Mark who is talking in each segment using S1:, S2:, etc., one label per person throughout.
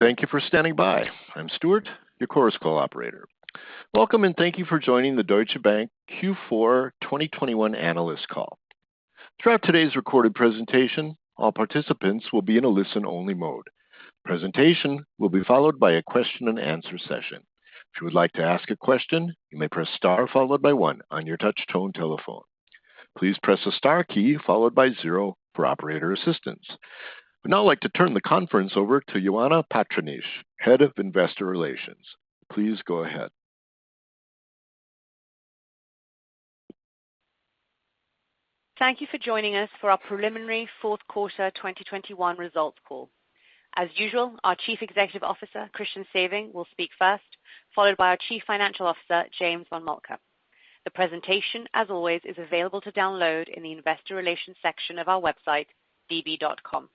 S1: Thank you for standing by. I'm Stuart, your Chorus Call operator. Welcome, and thank you for joining the Deutsche Bank Q4 2021 analyst call. Throughout today's recorded presentation, all participants will be in a listen-only mode. Presentation will be followed by a question and answer session. If you would like to ask a question, you may press star followed by one on your touch-tone telephone. Please press the star key followed by zero for operator assistance. I would now like to turn the conference over to Ioana Patriniche, Head of Investor Relations. Please go ahead.
S2: Thank you for joining us for our preliminary Q4 2021 results call. As usual, our Chief Executive Officer, Christian Sewing, will speak first, followed by our Chief Financial Officer, James von Moltke. The presentation, as always, is available to download in the investor relations section of our website, db.com.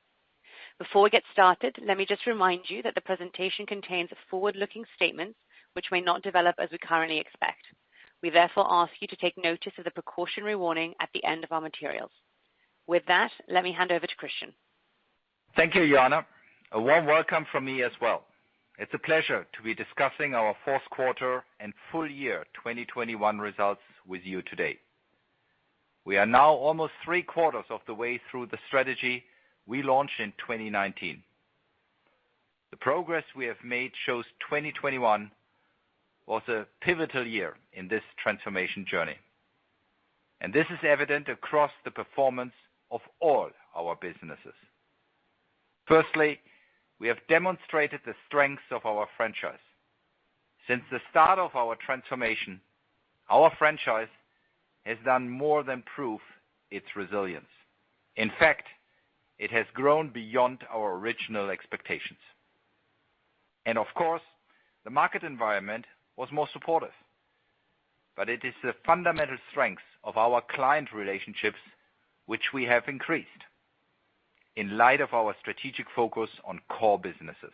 S2: Before we get started, let me just remind you that the presentation contains forward-looking statements which may not develop as we currently expect. We therefore ask you to take notice of the precautionary warning at the end of our materials. With that, let me hand over to Christian.
S3: Thank you, Ioana. A warm welcome from me as well. It's a pleasure to be discussing our Q4 and full year 2021 results with you today. We are now almost three-quarters of the way through the strategy we launched in 2019. The progress we have made shows 2021 was a pivotal year in this transformation journey, and this is evident across the performance of all our businesses. Firstly, we have demonstrated the strengths of our franchise. Since the start of our transformation, our franchise has done more than prove its resilience. In fact, it has grown beyond our original expectations. Of course, the market environment was more supportive. It is the fundamental strengths of our client relationships which we have increased in light of our strategic focus on core businesses.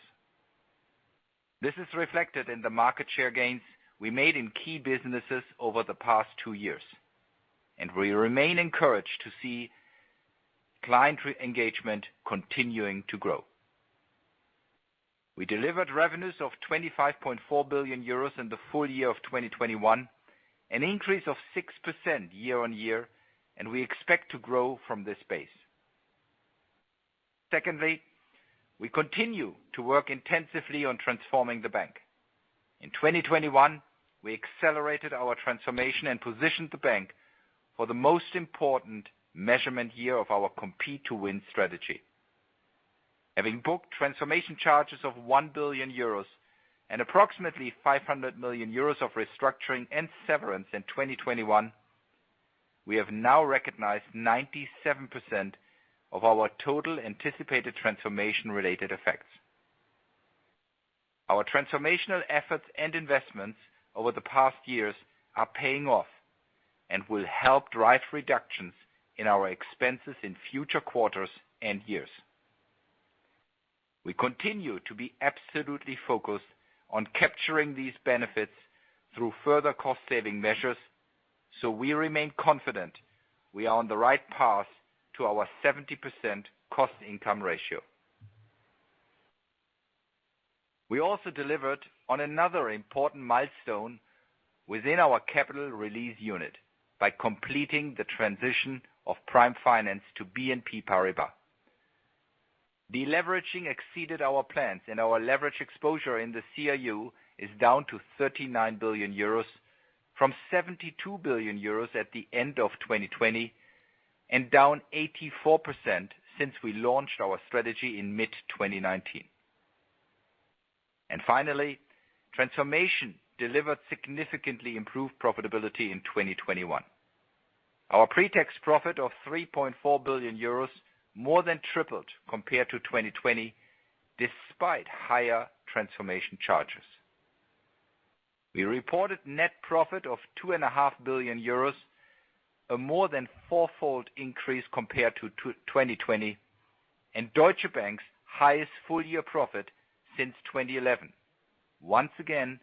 S3: This is reflected in the market share gains we made in key businesses over the past two years, and we remain encouraged to see client re-engagement continuing to grow. We delivered revenues of 25.4 billion euros in the full year of 2021, an increase of 6% year-on-year, and we expect to grow from this base. Secondly, we continue to work intensively on transforming the bank. In 2021, we accelerated our transformation and positioned the bank for the most important measurement year of our Compete to Win strategy. Having booked transformation charges of 1 billion euros and approximately 500 million euros of restructuring and severance in 2021, we have now recognized 97% of our total anticipated transformation-related effects. Our transformational efforts and investments over the past years are paying off and will help drive reductions in our expenses in future quarters and years. We continue to be absolutely focused on capturing these benefits through further cost saving measures, so we remain confident we are on the right path to our 70% cost income ratio. We also delivered on another important milestone within our Capital Release Unit by completing the transition of Prime Finance to BNP Paribas. Deleveraging exceeded our plans, and our leverage exposure in the CRU is down to 39 billion euros from 72 billion euros at the end of 2020 and down 84% since we launched our strategy in mid-2019. Finally, transformation delivered significantly improved profitability in 2021. Our pre-tax profit of 3.4 billion euros more than tripled compared to 2020 despite higher transformation charges. We reported net profit of 2.5 billion euros, a more than fourfold increase compared to 2020, and Deutsche Bank's highest full-year profit since 2011, once again,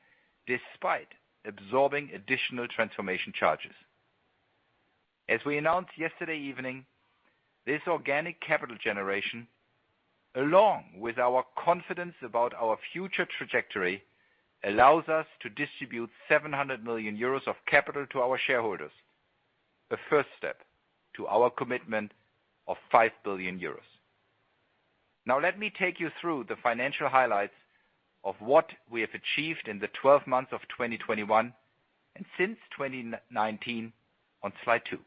S3: despite absorbing additional transformation charges. As we announced yesterday evening, this organic capital generation, along with our confidence about our future trajectory, allows us to distribute 700 million euros of capital to our shareholders, the first step to our commitment of 5 billion euros. Now, let me take you through the financial highlights of what we have achieved in the 12 months of 2021 and since 2019 on slide 2.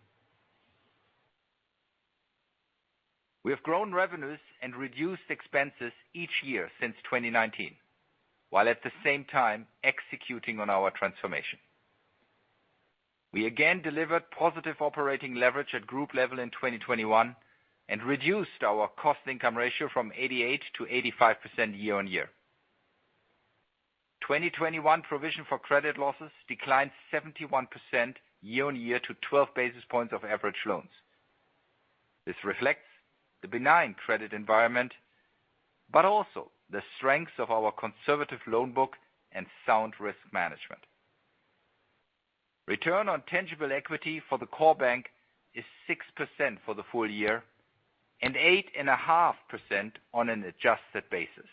S3: We have grown revenues and reduced expenses each year since 2019, while at the same time executing on our transformation. We again delivered positive operating leverage at group level in 2021 and reduced our cost income ratio from 88% to 85% year-on-year. 2021 provision for credit losses declined 71% year on year to 12 basis points of average loans. This reflects the benign credit environment, but also the strengths of our conservative loan book and sound risk management. Return on tangible equity for the core bank is 6% for the full year, and 8.5% on an adjusted basis.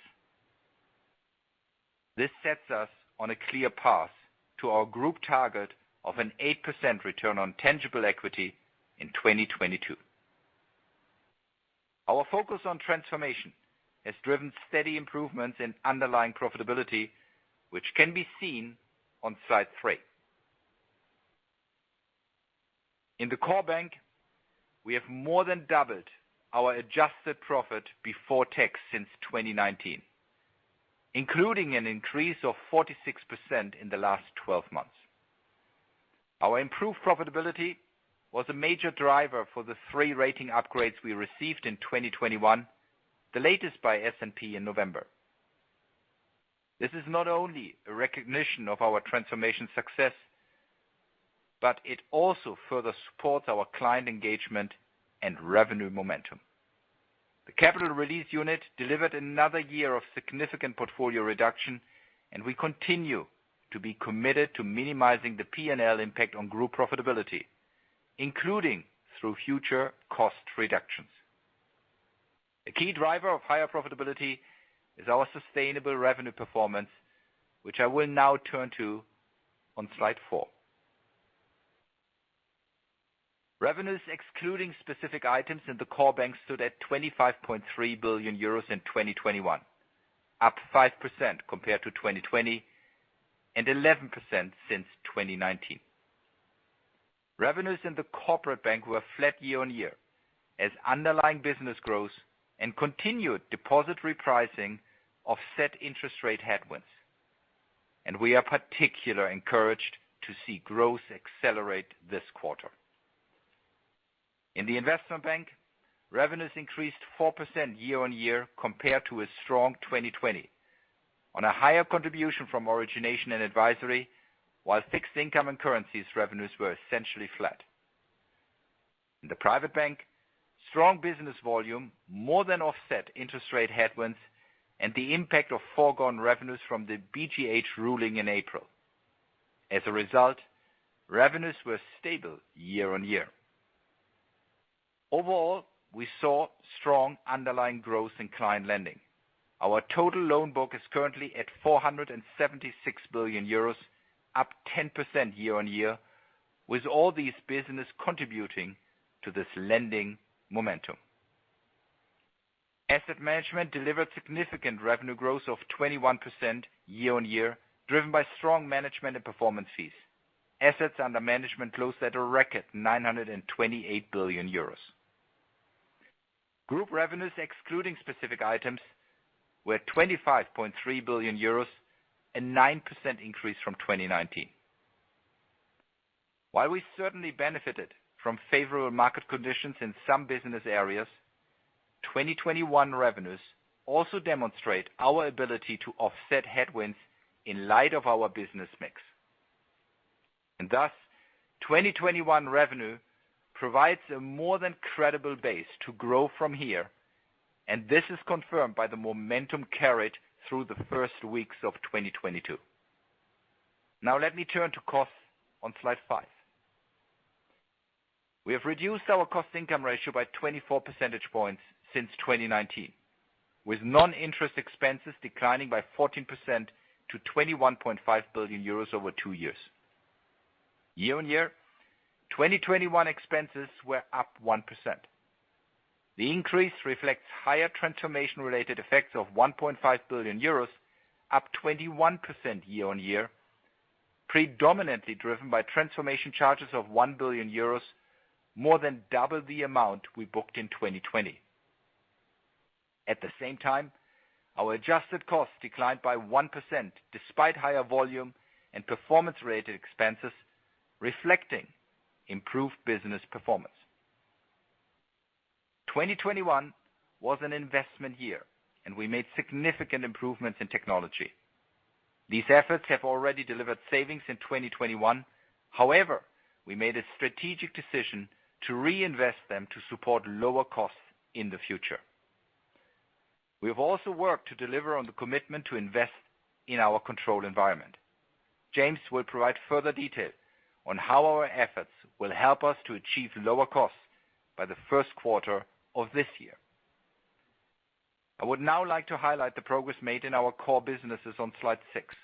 S3: This sets us on a clear path to our group target of an 8% return on tangible equity in 2022. Our focus on transformation has driven steady improvements in underlying profitability, which can be seen on slide three. In the core bank, we have more than doubled our adjusted profit before tax since 2019, including an increase of 46% in the last 12 months. Our improved profitability was a major driver for the three rating upgrades we received in 2021, the latest by S&P in November. This is not only a recognition of our transformation success, but it also further supports our client engagement and revenue momentum. The Capital Release Unit delivered another year of significant portfolio reduction, and we continue to be committed to minimizing the P&L impact on group profitability, including through future cost reductions. A key driver of higher profitability is our sustainable revenue performance, which I will now turn to on slide four. Revenues excluding specific items in the core bank stood at 25.3 billion euros in 2021, up 5% compared to 2020 and 11% since 2019. Revenues in the Corporate Bank were flat year-on-year as underlying business growth and continued deposit repricing offset interest rate headwinds. We are particularly encouraged to see growth accelerate this quarter. In the Investment Bank, revenues increased 4% year-on-year compared to a strong 2020 on a higher contribution from origination and advisory, while fixed income and currencies revenues were essentially flat. In the Private Bank, strong business volume more than offset interest rate headwinds and the impact of foregone revenues from the BGH ruling in April. As a result, revenues were stable year-on-year. Overall, we saw strong underlying growth in client lending. Our total loan book is currently at 476 billion euros, up 10% year-on-year, with all these businesses contributing to this lending momentum. Asset Management delivered significant revenue growth of 21% year-on-year, driven by strong management and performance fees. Assets under management closed at a record 928 billion euros. Group revenues excluding specific items were 25.3 billion euros, a 9% increase from 2019. While we certainly benefited from favorable market conditions in some business areas, 2021 revenues also demonstrate our ability to offset headwinds in light of our business mix. Thus, 2021 revenue provides a more than credible base to grow from here, and this is confirmed by the momentum carried through the first weeks of 2022. Now let me turn to costs on slide five. We have reduced our cost income ratio by 24 percentage points since 2019, with non-interest expenses declining by 14% to 21.5 billion euros over two years. Year-on-year, 2021 expenses were up 1%. The increase reflects higher transformation-related effects of 1.5 billion euros, up 21% year-on-year, predominantly driven by transformation charges of 1 billion euros, more than double the amount we booked in 2020. At the same time, our adjusted costs declined by 1% despite higher volume and performance-related expenses, reflecting improved business performance. 2021 was an investment year, and we made significant improvements in technology. These efforts have already delivered savings in 2021. However, we made a strategic decision to reinvest them to support lower costs in the future. We have also worked to deliver on the commitment to invest in our controlled environment. James will provide further detail on how our efforts will help us to achieve lower costs by the Q1 of this year. I would now like to highlight the progress made in our core businesses on slide 6.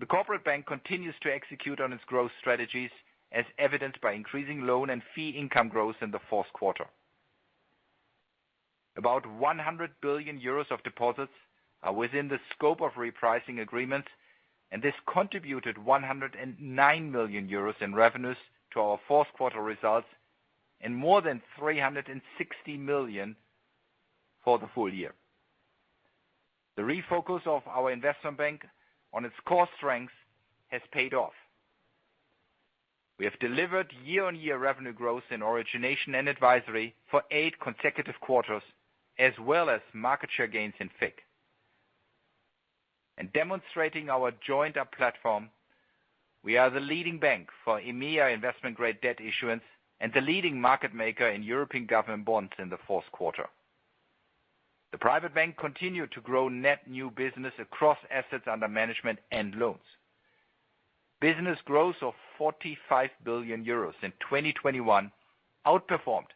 S3: The Corporate Bank continues to execute on its growth strategies as evidenced by increasing loan and fee income growth in the Q4. About 100 million euros of deposits are within the scope of repricing agreement, and this contributed 109 million euros in revenues to our Q4 results and more than 360 million for the full year. The refocus of our Investment Bank on its core strengths has paid off. We have delivered year-on-year revenue growth in origination and advisory for eight consecutive quarters, as well as market share gains in FIC. Demonstrating our joined-up platform, we are the leading bank for EMEA investment-grade debt issuance and the leading market maker in European government bonds in the Q4. the Private Bank continued to grow net new business across assets under management and loans. Business growth of 45 billion euros in 2021 outperformed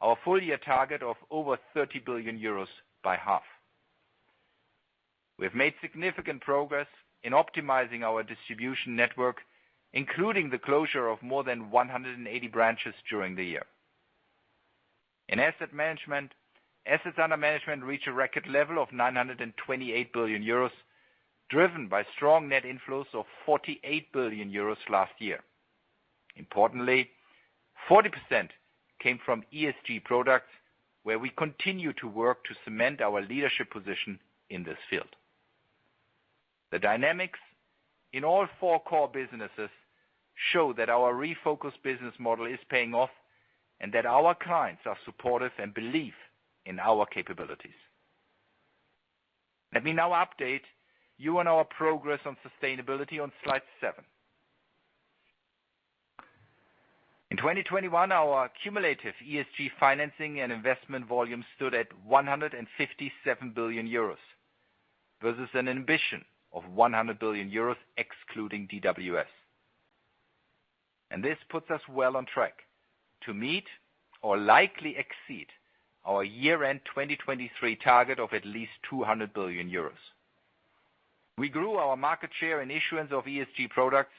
S3: our full year target of over 30 billion euros by half. We have made significant progress in optimizing our distribution network, including the closure of more than 180 branches during the year. In asset management, assets under management reached a record level of 928 billion euros, driven by strong net inflows of 48 billion euros last year. Importantly, 40% came from ESG products, where we continue to work to cement our leadership position in this field. The dynamics in all four core businesses show that our refocused business model is paying off and that our clients are supportive and believe in our capabilities. Let me now update you on our progress on sustainability on slide seven. In 2021, our cumulative ESG financing and investment volume stood at 157 billion euros versus an ambition of 100 billion euros excluding DWS. This puts us well on track to meet or likely exceed our year-end 2023 target of at least 200 billion euros. We grew our market share in issuance of ESG products,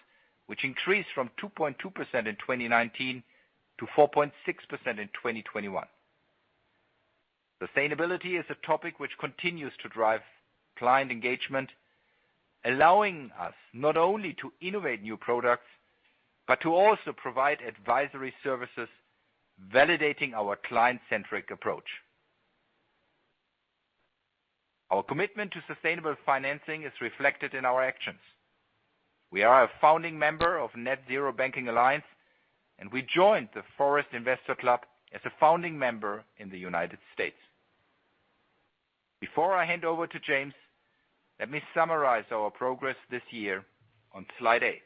S3: which increased from 2.2% in 2019 to 4.6% in 2021. Sustainability is a topic which continues to drive client engagement, allowing us not only to innovate new products but to also provide advisory services validating our client-centric approach. Our commitment to sustainable financing is reflected in our actions. We are a founding member of Net-Zero Banking Alliance, and we joined the Forest Investor Club as a founding member in the United States. Before I hand over to James, let me summarize our progress this year on slide eight.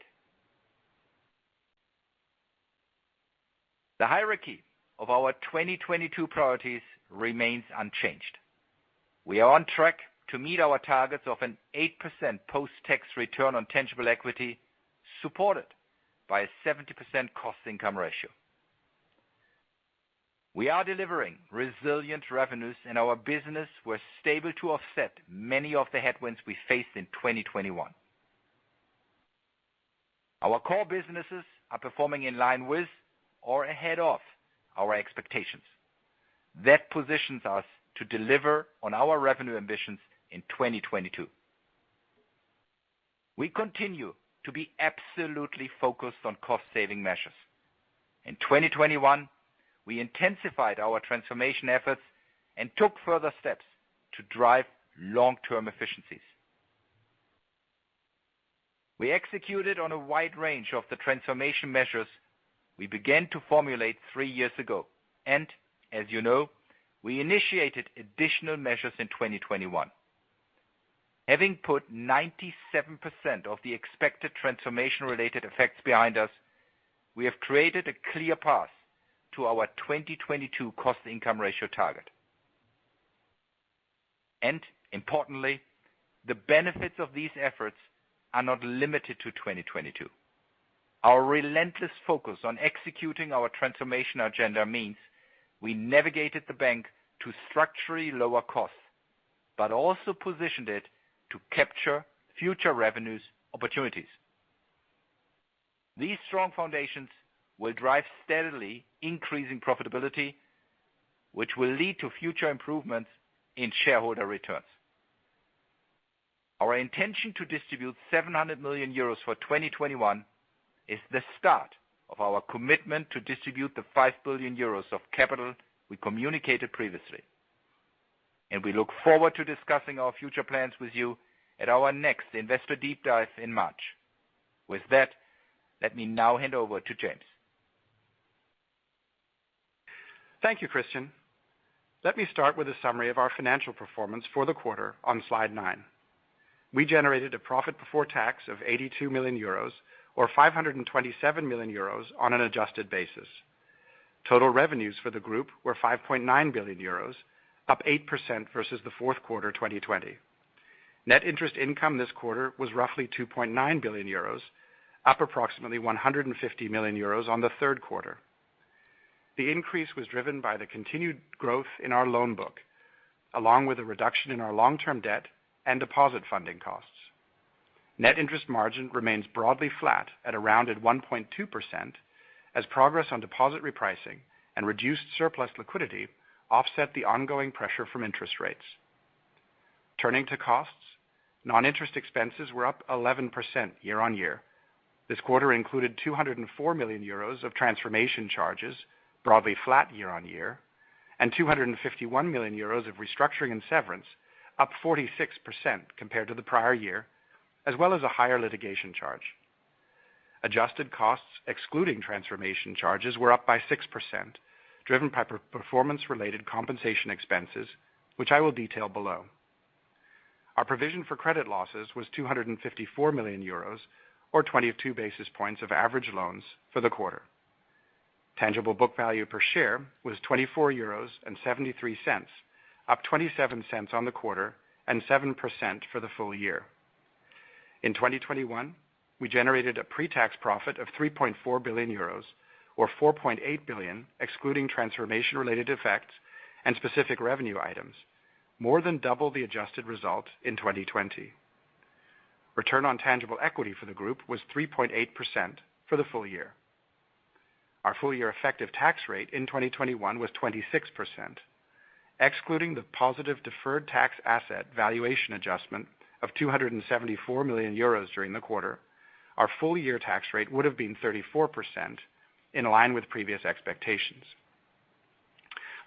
S3: The hierarchy of our 2022 priorities remains unchanged. We are on track to meet our targets of an 8% post-tax return on tangible equity, supported by a 70% cost income ratio. We are delivering resilient revenues in our business. We're stable to offset many of the headwinds we faced in 2021. Our core businesses are performing in line with or ahead of our expectations. That positions us to deliver on our revenue ambitions in 2022. We continue to be absolutely focused on cost saving measures. In 2021, we intensified our transformation efforts and took further steps to drive long-term efficiencies. We executed on a wide range of the transformation measures we began to formulate three years ago. As you know, we initiated additional measures in 2021. Having put 97% of the expected transformation related effects behind us, we have created a clear path to our 2022 cost income ratio target. Importantly, the benefits of these efforts are not limited to 2022. Our relentless focus on executing our transformation agenda means we navigated the bank to structurally lower costs, but also positioned it to capture future revenues opportunities. These strong foundations will drive steadily increasing profitability, which will lead to future improvements in shareholder returns. Our intention to distribute 700 million euros for 2021 is the start of our commitment to distribute the 5 billion euros of capital we communicated previously. We look forward to discussing our future plans with you at our next Investor Deep Dive in March. With that, let me now hand over to James.
S4: Thank you, Christian. Let me start with a summary of our financial performance for the quarter on slide 9. We generated a profit before tax of 82 million euros or 527 million euros on an adjusted basis. Total revenues for the group were 5.9 billion euros, up 8% versus the Q4 2020. Net interest income this quarter was roughly 2.9 billion euros, up approximately 150 million euros on the Q3. The increase was driven by the continued growth in our loan book, along with a reduction in our long-term debt and deposit funding costs. Net interest margin remains broadly flat at around 1.2% as progress on deposit repricing and reduced surplus liquidity offset the ongoing pressure from interest rates. Turning to costs, non-interest expenses were up 11% year on year. This quarter included 204 million euros of transformation charges, broadly flat year on year, and 251 million euros of restructuring and severance up 46% compared to the prior year, as well as a higher litigation charge. Adjusted costs, excluding transformation charges, were up by 6%, driven by performance-related compensation expenses, which I will detail below. Our provision for credit losses was 254 million euros, or 22 basis points of average loans for the quarter. Tangible book value per share was 24.73 euros, up 0.27 on the quarter and 7% for the full year. In 2021, we generated a pre-tax profit of 3.4 billion euros or 4.8 billion, excluding transformation-related effects and specific revenue items, more than double the adjusted result in 2020. Return on tangible equity for the group was 3.8% for the full year. Our full year effective tax rate in 2021 was 26%. Excluding the positive deferred tax asset valuation adjustment of 274 million euros during the quarter, our full year tax rate would have been 34% in line with previous expectations.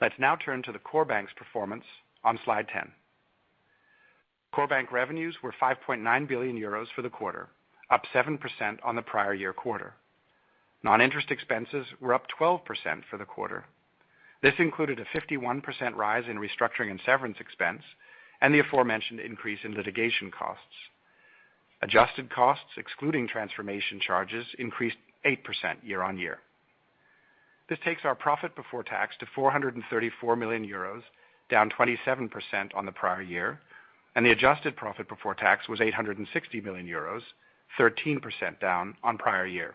S4: Let's now turn to the core bank's performance on slide 10. Core bank revenues were 5.9 billion euros for the quarter, up 7% on the prior year quarter. Non-interest expenses were up 12% for the quarter. This included a 51% rise in restructuring and severance expense and the aforementioned increase in litigation costs. Adjusted costs, excluding transformation charges, increased 8% year on year. This takes our profit before tax to 434 million euros, down 27% on the prior year, and the adjusted profit before tax was 860 million euros, 13% down on prior year.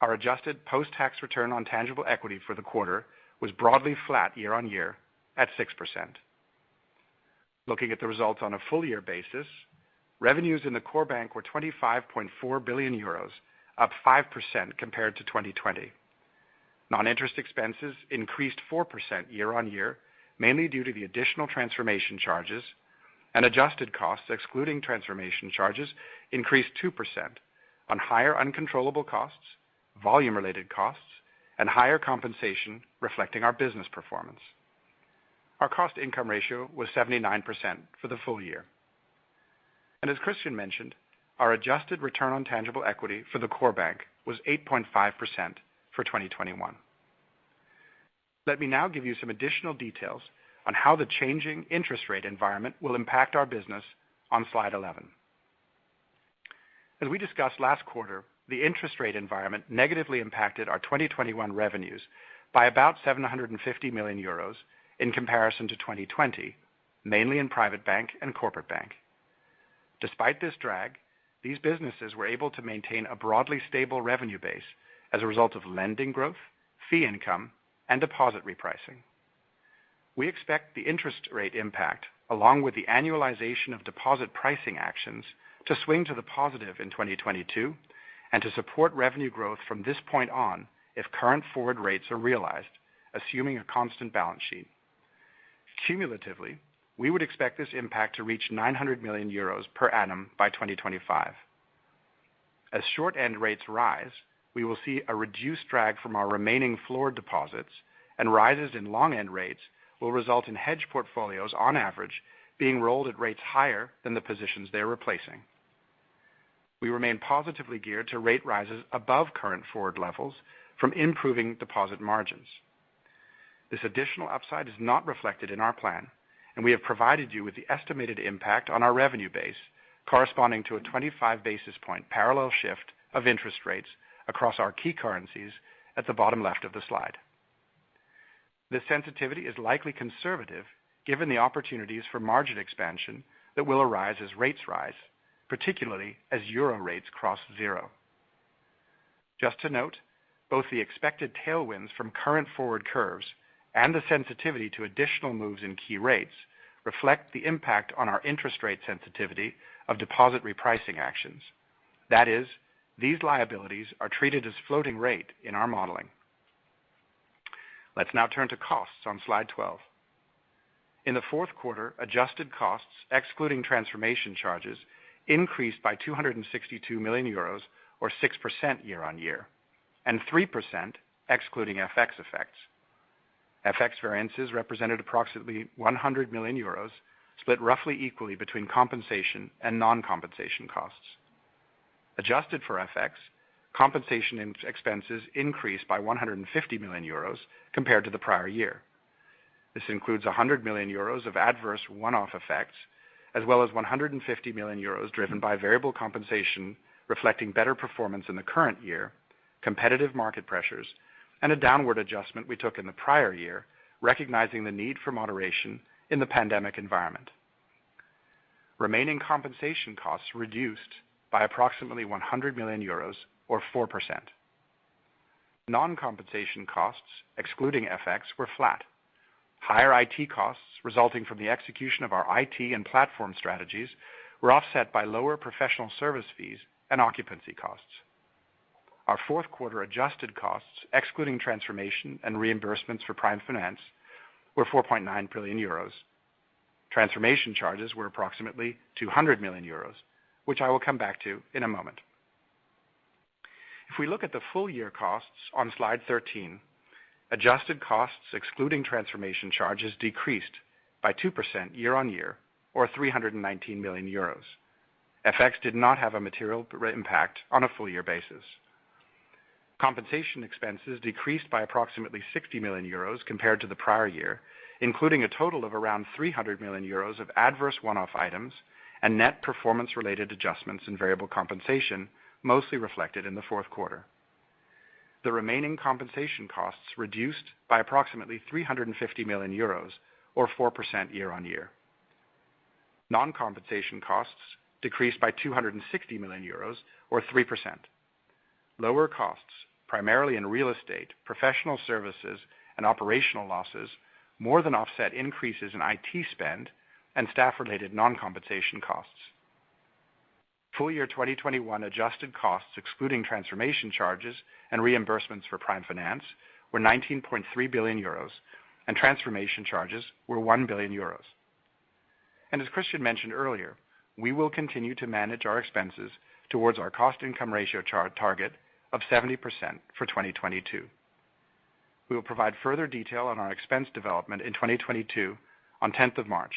S4: Our adjusted post-tax return on tangible equity for the quarter was broadly flat year-on-year at 6%. Looking at the results on a full year basis, revenues in the core bank were 25.4 billion euros, up 5% compared to 2020. Non-interest expenses increased 4% year-on-year, mainly due to the additional transformation charges, and adjusted costs, excluding transformation charges, increased 2% on higher uncontrollable costs, volume related costs, and higher compensation reflecting our business performance. Our cost income ratio was 79% for the full year. As Christian mentioned, our adjusted return on tangible equity for the core bank was 8.5% for 2021. Let me now give you some additional details on how the changing interest rate environment will impact our business on slide 11. As we discussed last quarter, the interest rate environment negatively impacted our 2021 revenues by about 750 million euros in comparison to 2020, mainly in Private Bank and Corporate Bank. Despite this drag, these businesses were able to maintain a broadly stable revenue base as a result of lending growth, fee income, and deposit repricing. We expect the interest rate impact, along with the annualization of deposit pricing actions, to swing to the positive in 2022 and to support revenue growth from this point on if current forward rates are realized, assuming a constant balance sheet. Cumulatively, we would expect this impact to reach 900 million euros per annum by 2025. As short end rates rise, we will see a reduced drag from our remaining floor deposits and rises in long end rates will result in hedge portfolios on average, being rolled at rates higher than the positions they are replacing. We remain positively geared to rate rises above current forward levels from improving deposit margins. This additional upside is not reflected in our plan, and we have provided you with the estimated impact on our revenue base corresponding to a 25 basis point parallel shift of interest rates across our key currencies at the bottom left of the slide. The sensitivity is likely conservative given the opportunities for margin expansion that will arise as rates rise, particularly as euro rates cross zero. Just to note, both the expected tailwinds from current forward curves and the sensitivity to additional moves in key rates reflect the impact on our interest rate sensitivity of deposit repricing actions. That is, these liabilities are treated as floating rate in our modeling. Let's now turn to costs on slide 12. In the Q4, adjusted costs, excluding transformation charges, increased by 262 million euros, or 6% year-on-year, and 3% excluding FX effects. FX variances represented approximately 100 million euros, split roughly equally between compensation and non-compensation costs. Adjusted for FX, compensation expenses increased by 150 million euros compared to the prior year. This includes 100 million euros of adverse one-off effects, as well as 150 million euros driven by variable compensation reflecting better performance in the current year, competitive market pressures, and a downward adjustment we took in the prior year, recognizing the need for moderation in the pandemic environment. Remaining compensation costs reduced by approximately 100 million euros or 4%. Non-compensation costs, excluding FX, were flat. Higher IT costs resulting from the execution of our IT and platform strategies were offset by lower professional service fees and occupancy costs. Our Q4 adjusted costs, excluding transformation and reimbursements for Prime Finance, were 4.9 billion euros. Transformation charges were approximately 200 million euros, which I will come back to in a moment. If we look at the full-year costs on slide 13, adjusted costs, excluding transformation charges, decreased by 2% year-on-year or 319 million euros. FX did not have a material impact on a full-year basis. Compensation expenses decreased by approximately 60 million euros compared to the prior year, including a total of around 300 million euros of adverse one-off items and net performance-related adjustments in variable compensation, mostly reflected in the Q4. The remaining compensation costs reduced by approximately 350 million euros or 4% year-on-year. Non-compensation costs decreased by 260 million euros or 3%. Lower costs, primarily in real estate, professional services, and operational losses, more than offset increases in IT spend and staff-related non-compensation costs. Full year 2021 adjusted costs excluding transformation charges and reimbursements for Prime Finance were 19.3 billion euros and transformation charges were 1 billion euros. As Christian mentioned earlier, we will continue to manage our expenses towards our cost income ratio target of 70% for 2022. We will provide further detail on our expense development in 2022 on March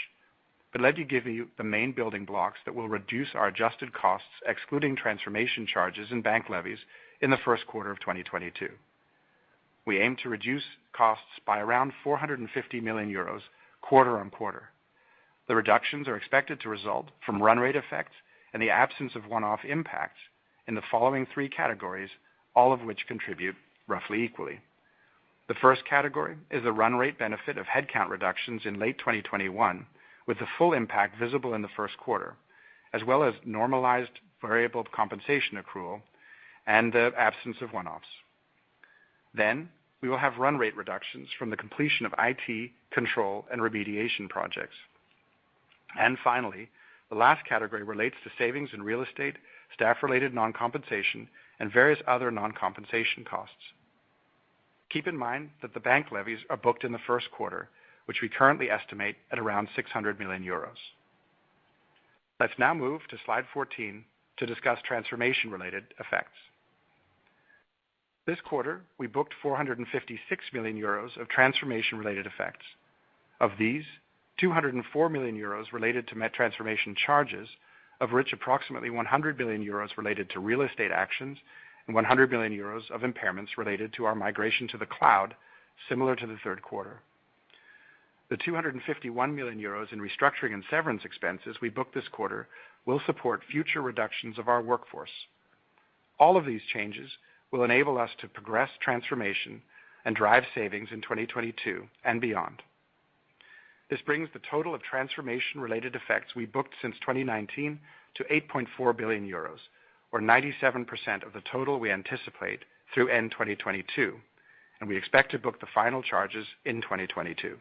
S4: 10. Let me give you the main building blocks that will reduce our adjusted costs, excluding transformation charges and bank levies in the Q1 of 2022. We aim to reduce costs by around 450 million euros quarter on quarter. The reductions are expected to result from run rate effects and the absence of one-off impacts in the following three categories, all of which contribute roughly equally. The first category is the run rate benefit of headcount reductions in late 2021, with the full impact visible in the Q1, as well as normalized variable compensation accrual and the absence of one-offs. We will have run rate reductions from the completion of IT, control, and remediation projects. Finally, the last category relates to savings in real estate, staff-related non-compensation, and various other non-compensation costs. Keep in mind that the bank levies are booked in the Q1, which we currently estimate at around 600 million euros. Let's now move to slide 14 to discuss transformation-related effects. This quarter, we booked 456 million euros of transformation-related effects. Of these, 204 million euros related to net transformation charges, of which approximately 100 billion euros related to real estate actions and 100 billion euros of impairments related to our migration to the cloud, similar to the Q3. The 251 million euros in restructuring and severance expenses we booked this quarter will support future reductions of our workforce. All of these changes will enable us to progress transformation and drive savings in 2022 and beyond. This brings the total of transformation-related effects we booked since 2019 to 8.4 billion euros, or 97% of the total we anticipate through end 2022, and we expect to book the final charges in 2022.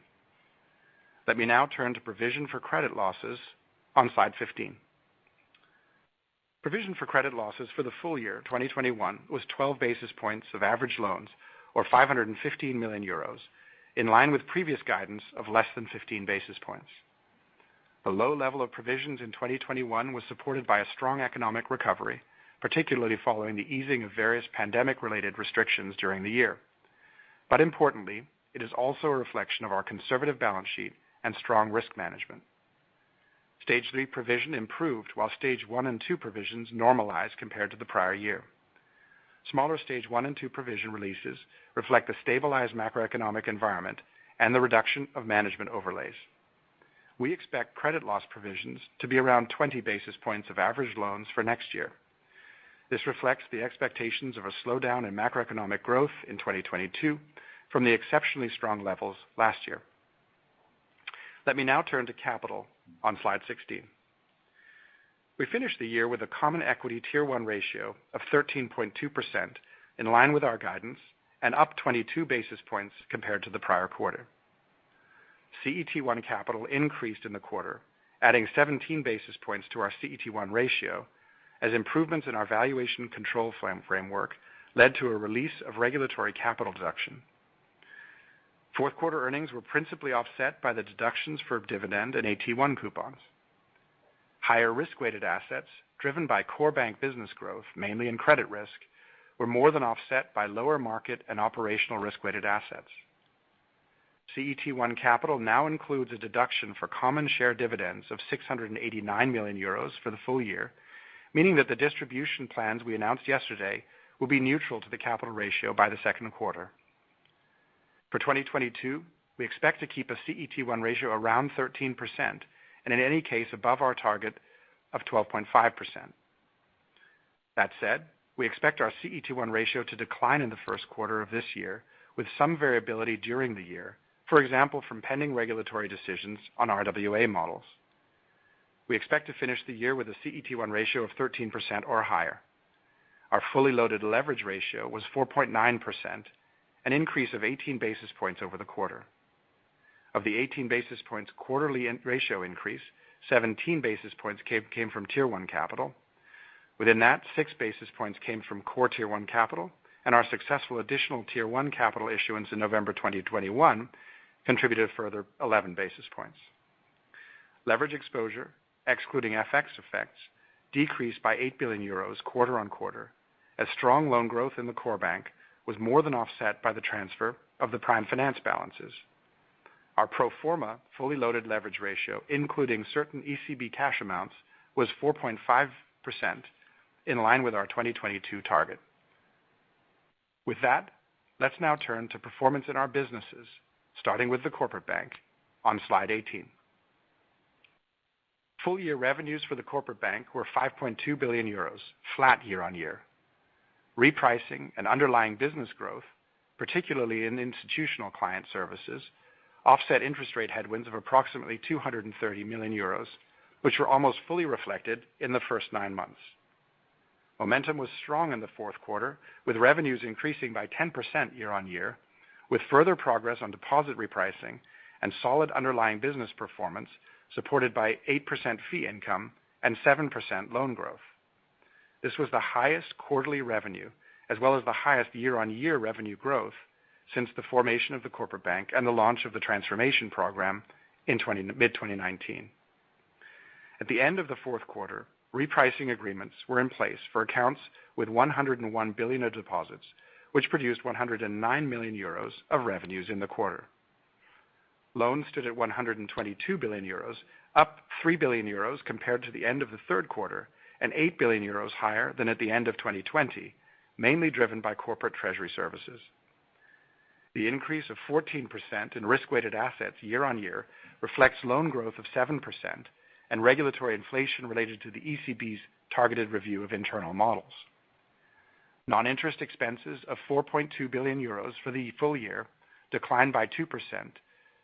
S4: Let me now turn to provision for credit losses on slide 15. Provision for credit losses for the full year 2021 was 12 basis points of average loans, or 515 million euros, in line with previous guidance of less than 15 basis points. The low level of provisions in 2021 was supported by a strong economic recovery, particularly following the easing of various pandemic-related restrictions during the year. Importantly, it is also a reflection of our conservative balance sheet and strong risk management. Stage three provision improved while stage one and two provisions normalized compared to the prior year. Smaller stage one and two provision releases reflect the stabilized macroeconomic environment and the reduction of management overlays. We expect credit loss provisions to be around 20 basis points of average loans for next year. This reflects the expectations of a slowdown in macroeconomic growth in 2022 from the exceptionally strong levels last year. Let me now turn to capital on slide 16. We finished the year with a Common Equity Tier 1 ratio of 13.2% in line with our guidance and up 22 basis points compared to the prior quarter. CET1 capital increased in the quarter, adding 17 basis points to our CET1 ratio as improvements in our valuation control framework led to a release of regulatory capital deduction. Q4 earnings were principally offset by the deductions for dividend and AT1 coupons. Higher risk-weighted assets driven by core bank business growth, mainly in credit risk, were more than offset by lower market and operational risk-weighted assets. CET1 capital now includes a deduction for common share dividends of 689 million euros for the full year, meaning that the distribution plans we announced yesterday will be neutral to the capital ratio by the Q2. For 2022, we expect to keep a CET1 ratio around 13%, and in any case, above our target of 12.5%. That said, we expect our CET1 ratio to decline in the Q1 of this year with some variability during the year, for example, from pending regulatory decisions on RWA models. We expect to finish the year with a CET1 ratio of 13% or higher. Our fully loaded leverage ratio was 4.9%, an increase of 18 basis points over the quarter. Of the 18 basis points quarterly ratio increase, 17 basis points came from Tier 1 capital. Within that, 6 basis points came from core Tier 1 capital, and our successful additional Tier 1 capital issuance in November 2021 contributed a further 11 basis points. Leverage exposure, excluding FX effects, decreased by 8 billion euros quarter on quarter, as strong loan growth in the core bank was more than offset by the transfer of the Prime Finance balances. Our pro forma fully loaded leverage ratio, including certain ECB cash amounts, was 4.5%, in line with our 2022 target. With that, let's now turn to performance in our businesses, starting with the Corporate Bank on slide 18. Full year revenues for the Corporate Bank were 5.2 billion euros, flat year-on-year. Repricing and underlying business growth, particularly in institutional client services, offset interest rate headwinds of approximately 230 million euros, which were almost fully reflected in the first nine months. Momentum was strong in the Q4, with revenues increasing by 10% year-on-year, with further progress on deposit repricing and solid underlying business performance, supported by 8% fee income and 7% loan growth. This was the highest quarterly revenue, as well as the highest year-on-year revenue growth since the formation of the corporate bank and the launch of the transformation program in mid-2019. At the end of the Q4, repricing agreements were in place for accounts with 101 billion of deposits, which produced 109 million euros of revenues in the quarter. Loans stood at 122 billion euros, up 3 billion euros compared to the end of the Q3, and 8 billion euros higher than at the end of 2020, mainly driven by corporate treasury services. The increase of 14% in risk-weighted assets quarter-over-quarter reflects loan growth of 7% and regulatory inflation related to the ECB's targeted review of internal models. Non-interest expenses of 4.2 billion euros for the full year declined by 2%,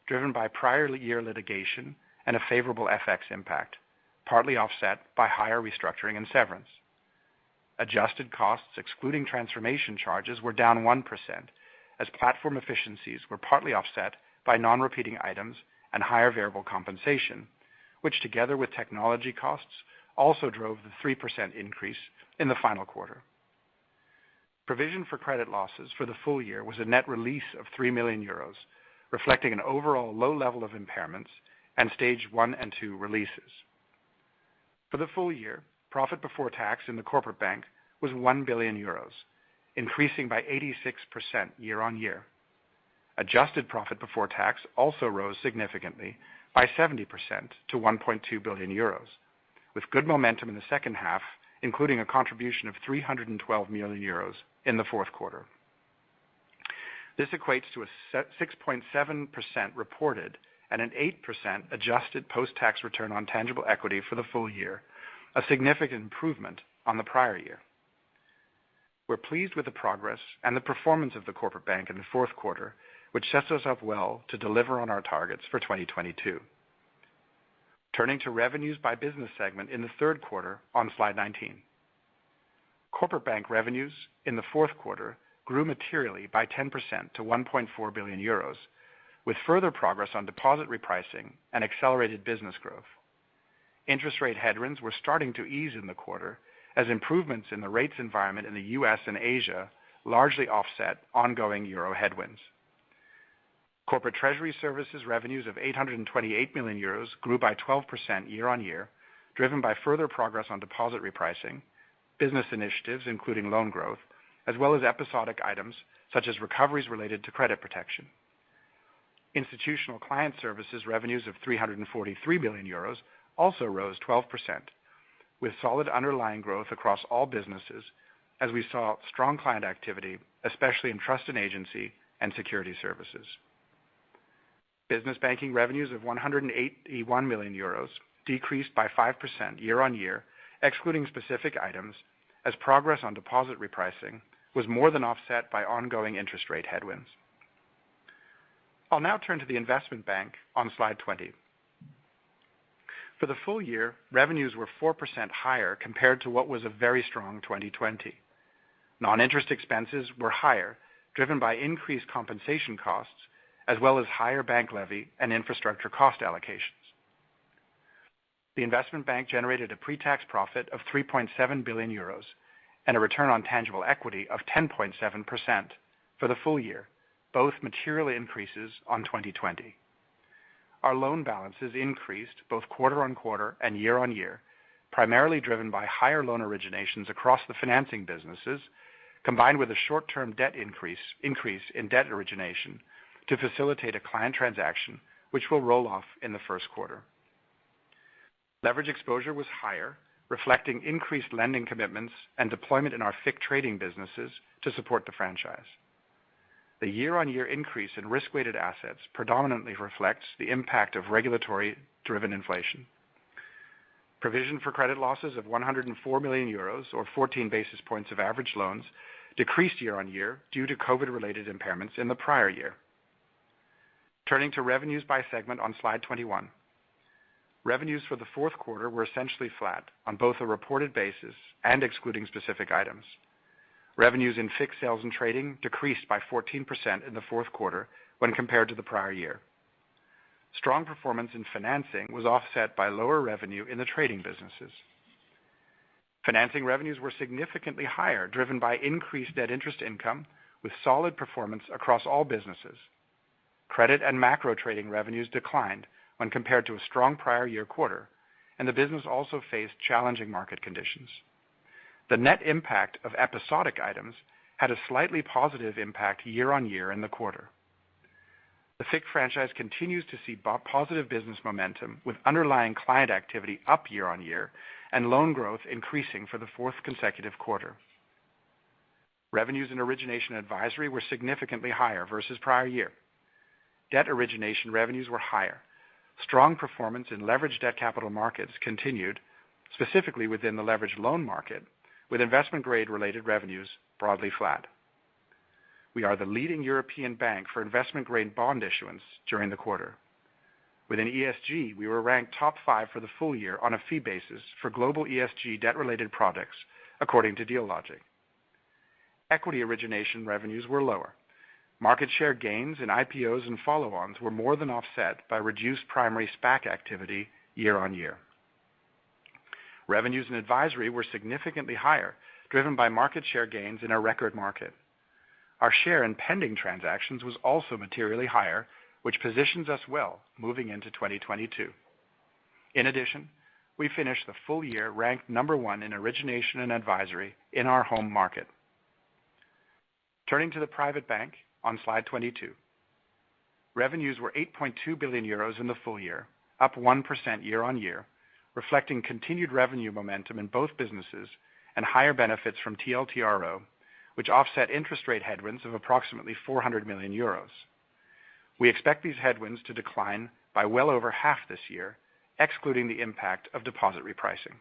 S4: driven by prior year litigation and a favorable FX impact, partly offset by higher restructuring and severance. Adjusted costs, excluding transformation charges, were down 1% as platform efficiencies were partly offset by non-repeating items and higher variable compensation, which together with technology costs, also drove the 3% increase in the final quarter. Provision for credit losses for the full year was a net release of 3 million euros, reflecting an overall low level of impairments and Stage One and Two releases. For the full year, profit before tax in the Corporate Bank was 1 billion euros, increasing by 86% quarter-over-quarter. Adjusted profit before tax also rose significantly by 70% to 1.2 billion euros, with good momentum in the H2, including a contribution of 312 million euros in the Q4. This equates to a 6.7% reported and an 8% adjusted post-tax return on tangible equity for the full year, a significant improvement on the prior year. We're pleased with the progress and the performance of the Corporate Bank in the Q4, which sets us up well to deliver on our targets for 2022. Turning to revenues by business segment in the Q3 on slide 19. Corporate Bank revenues in the Q4 grew materially by 10% to 1.4 billion euros, with further progress on deposit repricing and accelerated business growth. Interest rate headwinds were starting to ease in the quarter as improvements in the rates environment in the U.S. and Asia largely offset ongoing euro headwinds. Corporate Treasury Services revenues of 828 million euros grew by 12% year-on-year, driven by further progress on deposit repricing, business initiatives including loan growth, as well as episodic items such as recoveries related to credit protection. Institutional Client Services revenues of 343 billion euros also rose 12%, with solid underlying growth across all businesses as we saw strong client activity, especially in trust and agency and security services. Business Banking revenues of 181 million euros decreased by 5% year-on-year, excluding specific items as progress on deposit repricing was more than offset by ongoing interest rate headwinds. I'll now turn to the Investment Bank on slide 20. For the full year, revenues were 4% higher compared to what was a very strong 2020. Non-interest expenses were higher, driven by increased compensation costs as well as higher bank levy and infrastructure cost allocations. The Investment Bank generated a pre-tax profit of 3.7 billion euros and a return on tangible equity of 10.7% for the full year, both materially increases on 2020. Our loan balances increased both quarter-on-quarter and year-on-year, primarily driven by higher loan originations across the financing businesses, combined with a short-term debt increase in debt origination to facilitate a client transaction which will roll off in the Q1. Leverage exposure was higher, reflecting increased lending commitments and deployment in our FICC trading businesses to support the franchise. The year-on-year increase in risk-weighted assets predominantly reflects the impact of regulatory-driven inflation. Provision for credit losses of 104 million euros or 14 basis points of average loans decreased quarter-over-quarter due to COVID-related impairments in the prior year. Turning to revenues by segment on slide 21. Revenues for the Q4 were essentially flat on both a reported basis and excluding specific items. Revenues in FICC sales and trading decreased by 14% in the Q4 when compared to the prior year. Strong performance in financing was offset by lower revenue in the trading businesses. Financing revenues were significantly higher, driven by increased debt interest income, with solid performance across all businesses. Credit and macro trading revenues declined when compared to a strong prior-year quarter, and the business also faced challenging market conditions. The net impact of episodic items had a slightly positive impact quarter-over-quarter in the quarter. The FICC franchise continues to see positive business momentum, with underlying client activity up quarter-over-quarter and loan growth increasing for the fourth consecutive quarter. Revenues and origination advisory were significantly higher versus prior year. Debt origination revenues were higher. Strong performance in leveraged debt capital markets continued, specifically within the leveraged loan market, with investment grade related revenues broadly flat. We are the leading European bank for investment grade bond issuance during the quarter. Within ESG, we were ranked top five for the full year on a fee basis for global ESG debt related products according to Dealogic. Equity origination revenues were lower. Market share gains in IPOs and follow-ons were more than offset by reduced primary SPAC activity quarter-over-quarter. Revenues and advisory were significantly higher, driven by market share gains in a record market. Our share in pending transactions was also materially higher, which positions us well moving into 2022. In addition, we finished the full year ranked one in origination and advisory in our home market. Turning to the private bank on slide 22. Revenues were 8.2 billion euros in the full year, up 1% year-on-year, reflecting continued revenue momentum in both businesses and higher benefits from TLTRO, which offset interest rate headwinds of approximately 400 million euros. We expect these headwinds to decline by well over half this year, excluding the impact of deposit repricing.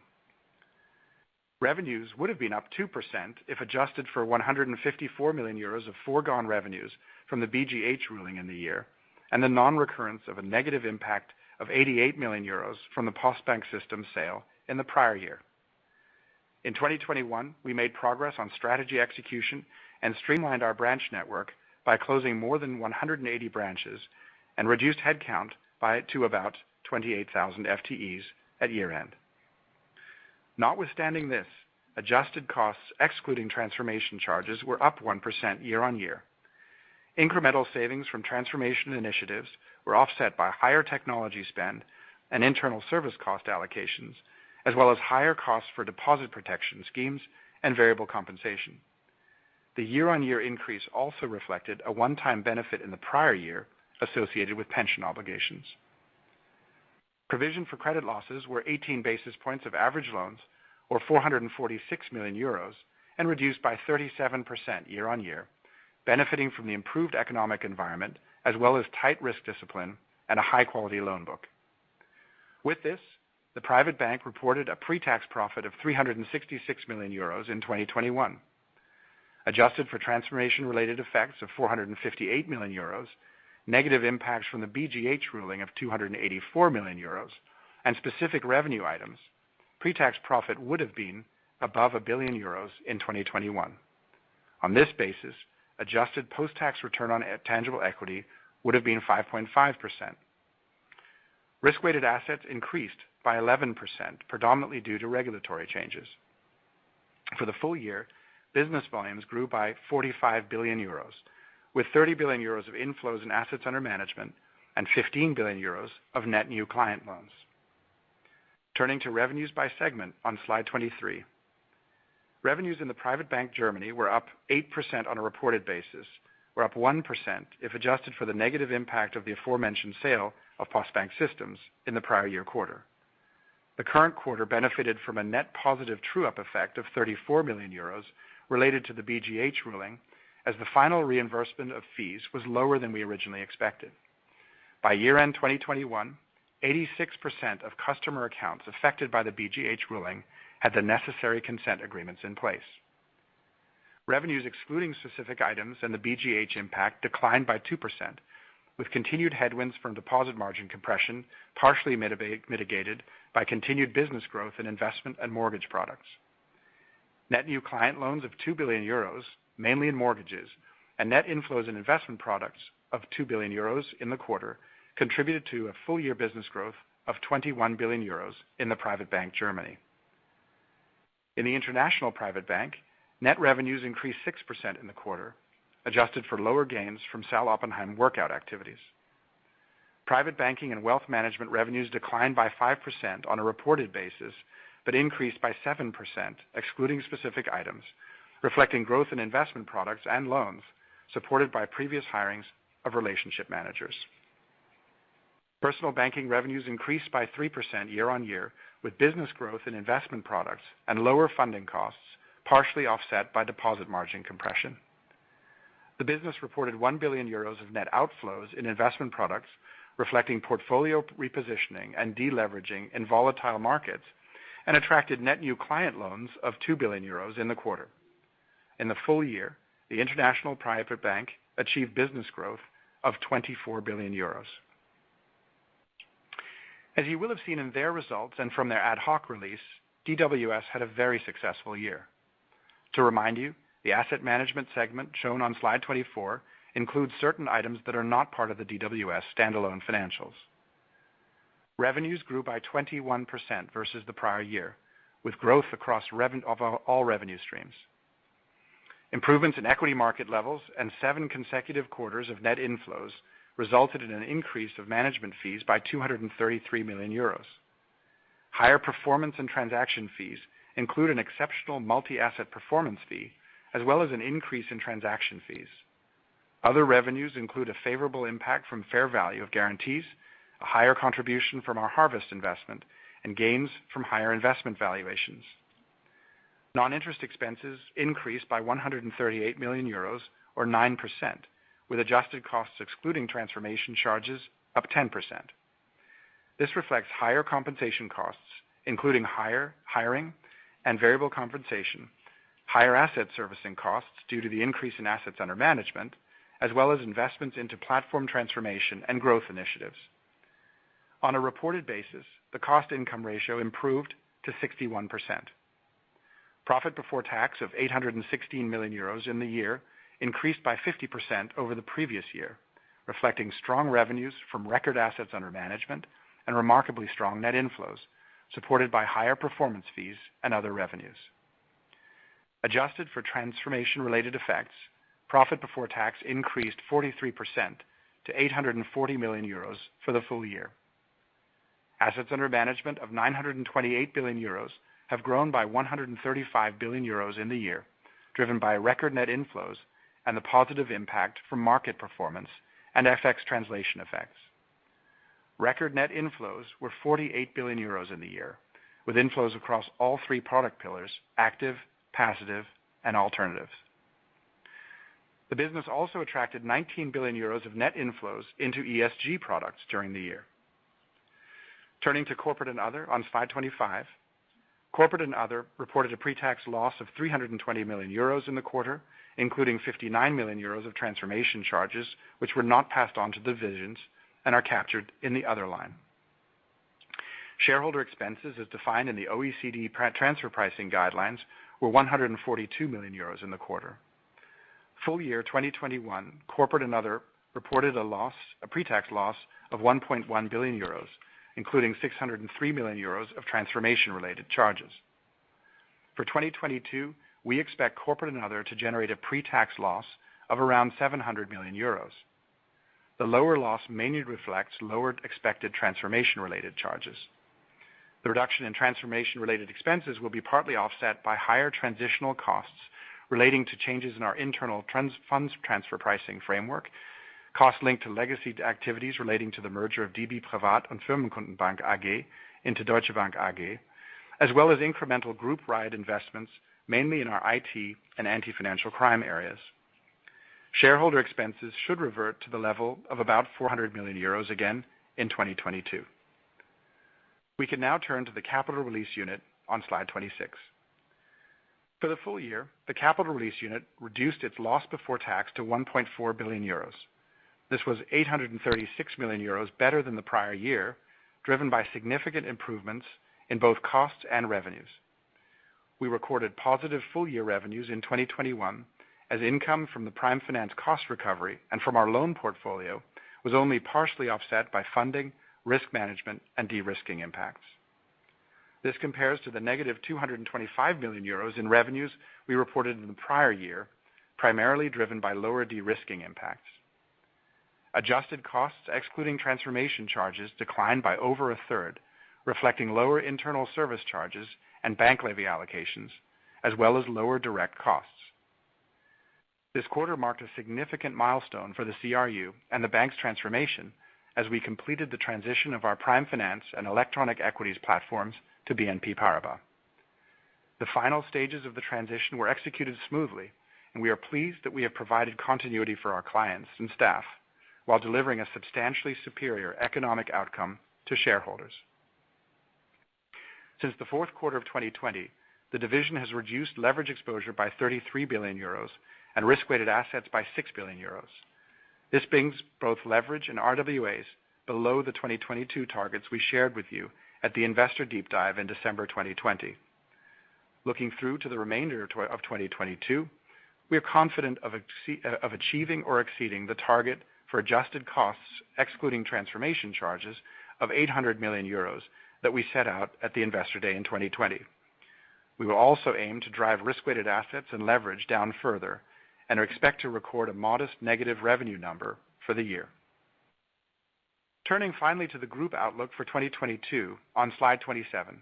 S4: Revenues would have been up 2% if adjusted for 154 million euros of foregone revenues from the BGH ruling in the year and the non-recurrence of a negative impact of 88 million euros from the Postbank Systems sale in the prior year. In 2021, we made progress on strategy execution and streamlined our branch network by closing more than 180 branches and reduced headcount to about 28,000 FTEs at year-end. Notwithstanding this, adjusted costs excluding transformation charges were up 1% year-on-year. Incremental savings from transformation initiatives were offset by higher technology spend and internal service cost allocations, as well as higher costs for deposit protection schemes and variable compensation. The year-on-year increase also reflected a one-time benefit in the prior year associated with pension obligations. Provision for credit losses were 18 basis points of average loans, or 446 million euros, and reduced by 37% year-on-year, benefiting from the improved economic environment as well as tight risk discipline and a high-quality loan book. With this, the Private Bank reported a pre-tax profit of 366 million euros in 2021. Adjusted for transformation related effects of 458 million euros, negative impacts from the BGH ruling of 284 million euros and specific revenue items, pre-tax profit would have been above 1 billion euros in 2021. On this basis, adjusted post-tax return on tangible equity would have been 5.5%. Risk-weighted assets increased by 11%, predominantly due to regulatory changes. For the full year, business volumes grew by 45 billion euros, with 30 billion euros of inflows and assets under management and 15 billion euros of net new client loans. Turning to revenues by segment on slide 23. Revenues in the Private Bank Germany were up 8% on a reported basis, were up 1% if adjusted for the negative impact of the aforementioned sale of Postbank Systems in the prior year quarter. The current quarter benefited from a net positive true-up effect of 34 million euros related to the BGH ruling, as the final reimbursement of fees was lower than we originally expected. By year-end 2021, 86% of customer accounts affected by the BGH ruling had the necessary consent agreements in place. Revenues excluding specific items and the BGH impact declined by 2%, with continued headwinds from deposit margin compression partially mitigated by continued business growth in investment and mortgage products. Net new client loans of 2 billion euros, mainly in mortgages, and net inflows in investment products of 2 billion euros in the quarter contributed to a full year business growth of 21 billion euros in the Private Bank Germany. In the International Private Bank, net revenues increased 6% in the quarter, adjusted for lower gains from Sal. Oppenheim workout activities. Private Banking and Wealth Management revenues declined by 5% on a reported basis, but increased by 7% excluding specific items, reflecting growth in investment products and loans supported by previous hirings of relationship managers. Personal Banking revenues increased by 3% quarter-over-quarter, with business growth in investment products and lower funding costs partially offset by deposit margin compression. The business reported 1 billion euros of net outflows in investment products, reflecting portfolio repositioning and deleveraging in volatile markets, and attracted net new client loans of 2 billion euros in the quarter. In the full year, the international private bank achieved business growth of 24 billion euros. As you will have seen in their results and from their ad hoc release, DWS had a very successful year. To remind you, the asset management segment shown on slide 24 includes certain items that are not part of the DWS standalone financials. Revenues grew by 21% versus the prior year, with growth across all revenue streams. Improvements in equity market levels and seven consecutive quarters of net inflows resulted in an increase of management fees by 233 million euros. Higher performance and transaction fees include an exceptional multi-asset performance fee, as well as an increase in transaction fees. Other revenues include a favorable impact from fair value of guarantees, a higher contribution from our harvest investment, and gains from higher investment valuations. Non-interest expenses increased by 138 million euros, or 9%, with adjusted costs excluding transformation charges up 10%. This reflects higher compensation costs, including higher hiring and variable compensation, higher asset servicing costs due to the increase in assets under management, as well as investments into platform transformation and growth initiatives. On a reported basis, the cost-income ratio improved to 61%. Profit before tax of 816 million euros in the year increased by 50% over the previous year, reflecting strong revenues from record assets under management and remarkably strong net inflows, supported by higher performance fees and other revenues. Adjusted for transformation-related effects, profit before tax increased 43% to 840 million euros for the full year. Assets under management of 928 billion euros have grown by 135 billion euros in the year, driven by record net inflows and the positive impact from market performance and FX translation effects. Record net inflows were 48 billion euros in the year, with inflows across all three product pillars: active, passive, and alternatives. The business also attracted 19 billion euros of net inflows into ESG products during the year. Turning to Corporate and Other on slide 25. Corporate and Other reported a pre-tax loss of 320 million euros in the quarter, including 59 million euros of transformation charges, which were not passed on to divisions and are captured in the other line. Shared expenses, as defined in the OECD transfer pricing guidelines, were 142 million euros in the quarter. Full year 2021, Corporate and Other reported a pre-tax loss of 1.1 billion euros, including 603 million euros of transformation-related charges. For 2022, we expect Corporate and Other to generate a pre-tax loss of around 700 million euros. The lower loss mainly reflects lower expected transformation-related charges. The reduction in transformation-related expenses will be partly offset by higher transitional costs relating to changes in our internal trans-funds transfer pricing framework, costs linked to legacy activities relating to the merger of DB Privat- und Firmenkundenbank AG into Deutsche Bank AG, as well as incremental Group-wide investments, mainly in our IT and anti-financial crime areas. Shareholder expenses should revert to the level of about 400 million euros again in 2022. We can now turn to the Capital Release Unit on slide 26. For the full year, the Capital Release Unit reduced its loss before tax to 1.4 billion euros. This was 836 million euros better than the prior year, driven by significant improvements in both costs and revenues. We recorded positive full-year revenues in 2021 as income from the Prime Finance cost recovery and from our loan portfolio was only partially offset by funding, risk management, and de-risking impacts. This compares to the negative 225 million euros in revenues we reported in the prior year, primarily driven by lower de-risking impacts. Adjusted costs, excluding transformation charges, declined by over a third, reflecting lower internal service charges and bank levy allocations, as well as lower direct costs. This quarter marked a significant milestone for the CRU and the bank's transformation as we completed the transition of our Prime Finance and Electronic Equities platforms to BNP Paribas. The final stages of the transition were executed smoothly, and we are pleased that we have provided continuity for our clients and staff while delivering a substantially superior economic outcome to shareholders. Since the Q4 of 2020, the division has reduced leverage exposure by 33 billion euros and risk-weighted assets by 6 billion euros. This brings both leverage and RWAs below the 2022 targets we shared with you at the Investor Deep Dive in December 2020. Looking through to the remainder of 2022, we are confident of achieving or exceeding the target for adjusted costs, excluding transformation charges of 800 million euros that we set out at the Investor Day in 2020. We will also aim to drive risk-weighted assets and leverage down further and expect to record a modest negative revenue number for the year. Turning finally to the group outlook for 2022 on slide 27.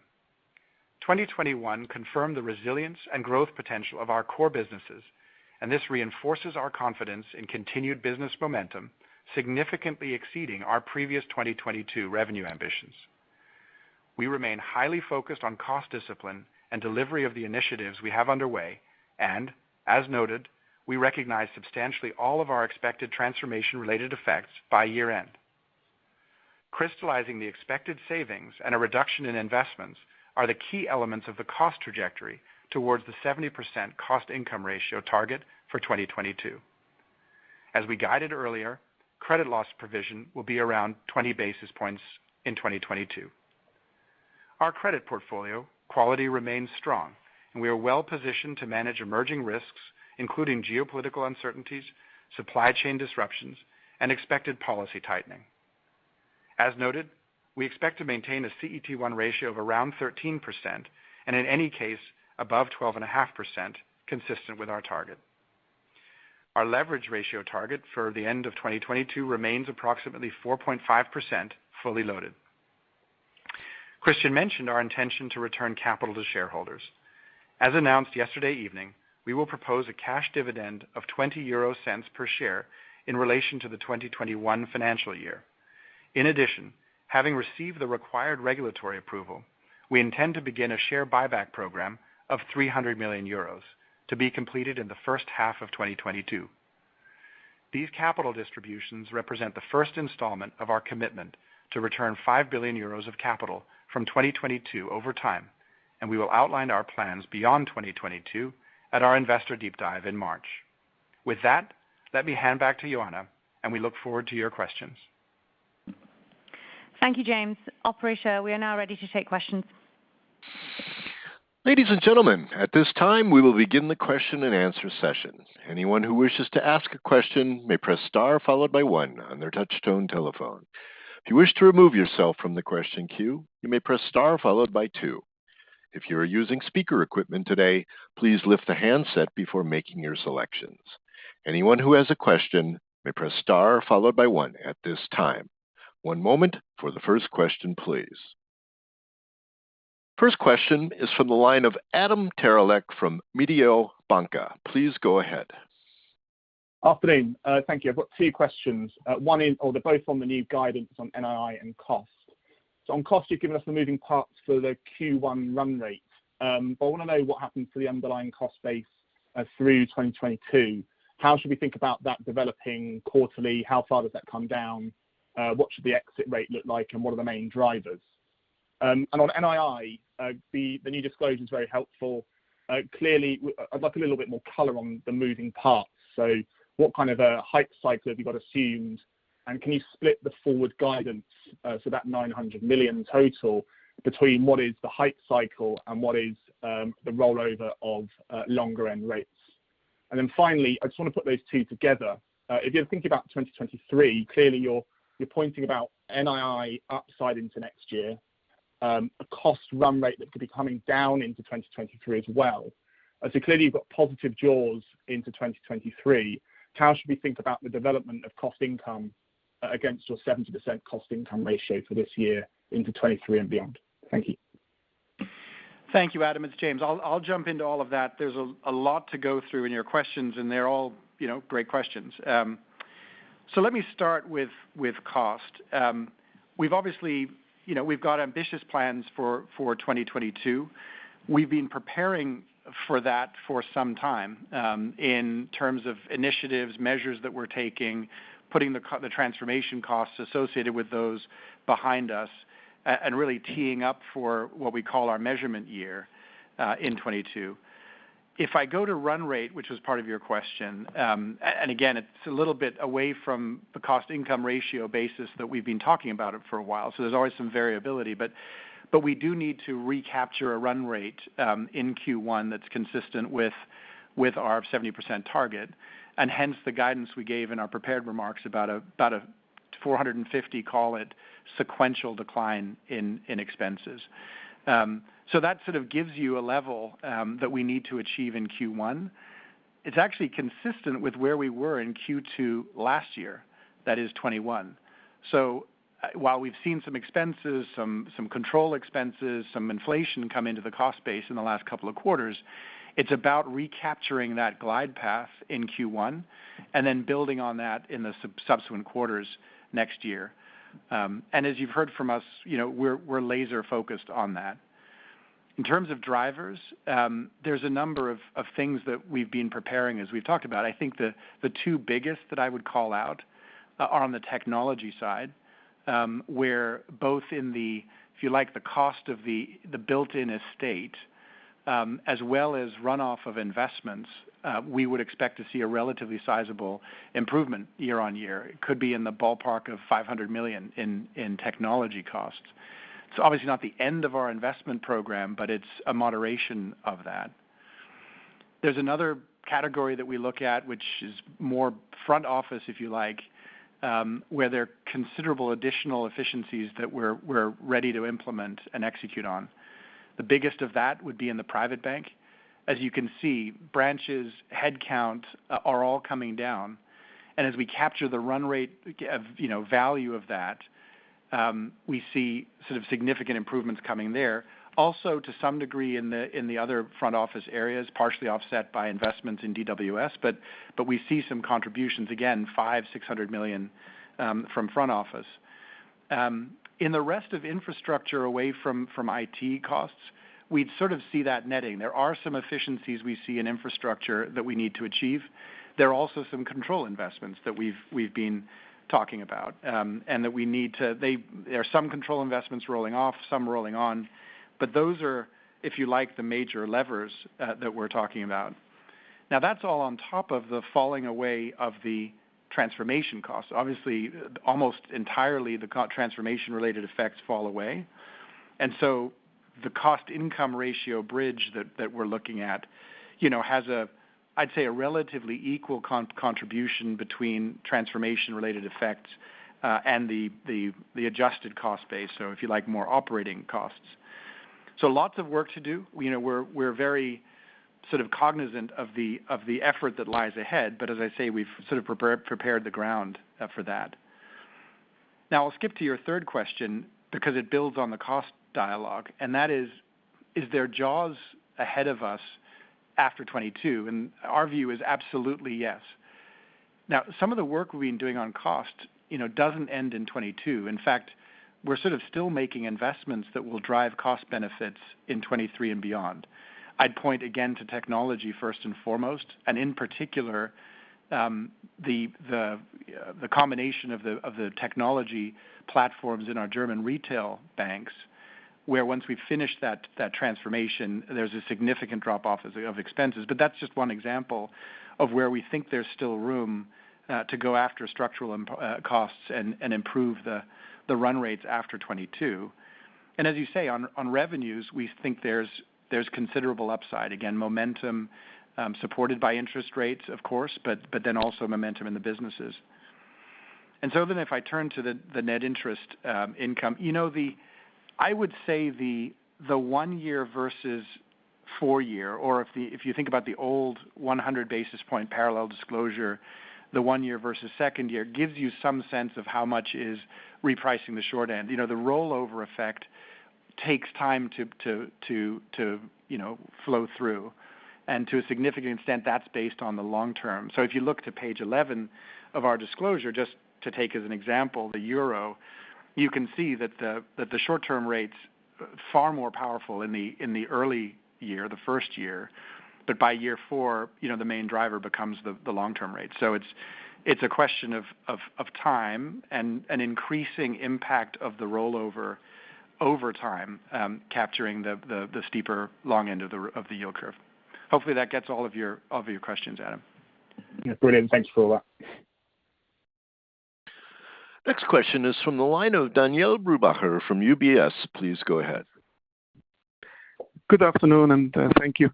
S4: 2021 confirmed the resilience and growth potential of our core businesses, and this reinforces our confidence in continued business momentum, significantly exceeding our previous 2022 revenue ambitions. We remain highly focused on cost discipline and delivery of the initiatives we have underway. As noted, we recognize substantially all of our expected transformation-related effects by year-end. Crystallizing the expected savings and a reduction in investments are the key elements of the cost trajectory towards the 70% cost/income ratio target for 2022. As we guided earlier, credit loss provision will be around 20 basis points in 2022. Our credit portfolio quality remains strong, and we are well-positioned to manage emerging risks, including geopolitical uncertainties, supply chain disruptions, and expected policy tightening. As noted, we expect to maintain a CET1 ratio of around 13% and in any case above 12.5% consistent with our target. Our leverage ratio target for the end of 2022 remains approximately 4.5% fully loaded. Christian mentioned our intention to return capital to shareholders. As announced yesterday evening, we will propose a cash dividend of 0.20 per share in relation to the 2021 financial year. In addition, having received the required regulatory approval, we intend to begin a share buyback program of 300 million euros to be completed in the H1 of 2022. These capital distributions represent the first installment of our commitment to return 5 billion euros of capital from 2022 over time, and we will outline our plans beyond 2022 at our Investor Deep Dive in March. With that, let me hand back to Ioana, and we look forward to your questions.
S2: Thank you, James. Operator, we are now ready to take questions.
S1: Ladies and gentlemen, at this time we will begin the question and answer session. Anyone who wishes to ask a question may press star followed by one on their touch-tone telephone. If you wish to remove yourself from the question queue, you may press star followed by two. If you are using speaker equipment today, please lift the handset before making your selections. Anyone who has a question may press star followed by one at this time. One moment for the first question, please. First question is from the line of Adam Terelak from Mediobanca. Please go ahead.
S5: Afternoon. Thank you. I've got two questions. They're both on the new guidance on NII and cost. On cost, you've given us the moving parts for the Q1 run rate. I want to know what happened to the underlying cost base through 2022. How should we think about that developing quarterly? How far does that come down? What should the exit rate look like, and what are the main drivers? On NII, the new disclosure is very helpful. Clearly, I'd like a little bit more color on the moving parts. What kind of a hike cycle have you got assumed? Can you split the forward guidance so that 900 million total between what is the hike cycle and what is the rollover of longer end rates? Finally, I just want to put those two together. If you think about 2023, clearly you're pointing to NII upside into next year, a cost run rate that could be coming down into 2023 as well. Clearly you've got positive jaws into 2023. How should we think about the development of cost income against your 70% cost-income ratio for this year into 2023 and beyond? Thank you.
S4: Thank you. Adam, it's James. I'll jump into all of that. There's a lot to go through in your questions, and they're all, you know, great questions. Let me start with cost. We've obviously, you know, we've got ambitious plans for 2022. We've been preparing for that for some time, in terms of initiatives, measures that we're taking, putting the transformation costs associated with those behind us and really teeing up for what we call our measurement year, in 2022. If I go to run rate, which was part of your question, and again, it's a little bit away from the cost income ratio basis that we've been talking about it for a while. There's always some variability, but we do need to recapture a run rate in Q1 that's consistent with our 70% target, and hence the guidance we gave in our prepared remarks about a 450, call it sequential decline in expenses. That sort of gives you a level that we need to achieve in Q1. It's actually consistent with where we were in Q2 last year, that is 2021. While we've seen some control expenses, some inflation come into the cost base in the last couple of quarters, it's about recapturing that glide path in Q1 and then building on that in the subsequent quarters next year. As you've heard from us, you know, we're laser focused on that. In terms of drivers, there's a number of things that we've been preparing as we've talked about. I think the two biggest that I would call out are on the technology side, where both in the, if you like, the cost of the built-in estate, as well as runoff of investments, we would expect to see a relatively sizable improvement quarter-over-quarter. It could be in the ballpark of 500 million in technology costs. It's obviously not the end of our investment program, but it's a moderation of that. There's another category that we look at which is more front office, if you like, where there are considerable additional efficiencies that we're ready to implement and execute on. The biggest of that would be in the private bank. As you can see, branches, headcounts are all coming down. As we capture the run rate of, you know, value of that, we see sort of significant improvements coming there. Also, to some degree in the other front office areas, partially offset by investments in DWS. But we see some contributions again, 500-600 million, from front office. In the rest of infrastructure away from IT costs, we'd sort of see that netting. There are some efficiencies we see in infrastructure that we need to achieve. There are also some control investments that we've been talking about, and some rolling off, some rolling on. But those are, if you like, the major levers that we're talking about. Now, that's all on top of the falling away of the transformation costs. Obviously, almost entirely the transformation related effects fall away. The cost income ratio bridge that we're looking at, you know, has a, I'd say, a relatively equal contribution between transformation related effects, and the adjusted cost base, if you like, more operating costs. Lots of work to do. You know, we're very sort of cognizant of the effort that lies ahead. But as I say, we've sort of prepared the ground for that. Now I'll skip to your third question because it builds on the cost dialogue, and that is there JAWS ahead of us after 2022? Our view is absolutely yes. Now, some of the work we've been doing on cost, you know, doesn't end in 2022. In fact, we're sort of still making investments that will drive cost benefits in 2023 and beyond. I'd point again to technology first and foremost, and in particular, the combination of the technology platforms in our German retail banks, where once we finish that transformation, there's a significant drop-off of expenses. That's just one example of where we think there's still room to go after structural costs and improve the run rates after 2022. As you say on revenues, we think there's considerable upside. Again, momentum supported by interest rates of course, but then also momentum in the businesses. If I turn to the net interest income. You know, I would say the one-year versus four-year, or if you think about the old 100 basis point parallel disclosure, the one-year versus second-year gives you some sense of how much is repricing the short end. You know, the rollover effect takes time to flow through. To a significant extent, that's based on the long term. If you look to page 11 of our disclosure, just to take as an example, the euro, you can see that the short-term rate's far more powerful in the early year, the first year. By year four, you know, the main driver becomes the long-term rate. It's a question of time and an increasing impact of the rollover over time, capturing the steeper long end of the yield curve. Hopefully that gets all of your questions, Adam.
S5: Yeah. Brilliant. Thank you for all that.
S1: Next question is from the line of Daniele Brupbacher from UBS. Please go ahead.
S6: Good afternoon, thank you.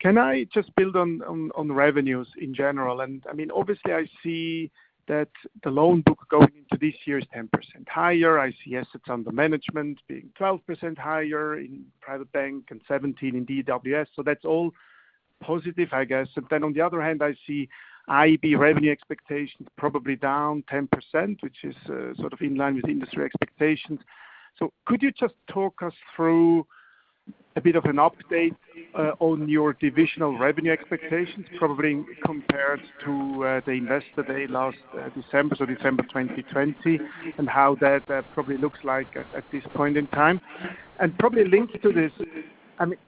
S6: Can I just build on revenues in general? I mean, obviously I see that the loan book going into this year is 10% higher. I see assets under management being 12% higher in Private Bank and 17% in DWS. That's all positive, I guess. On the other hand, I see IB revenue expectations probably down 10%, which is sort of in line with industry expectations. Could you just talk us through a bit of an update on your divisional revenue expectations, probably compared to the Investor Day last December, so December 2020, and how that probably looks like at this point in time? Probably linked to this,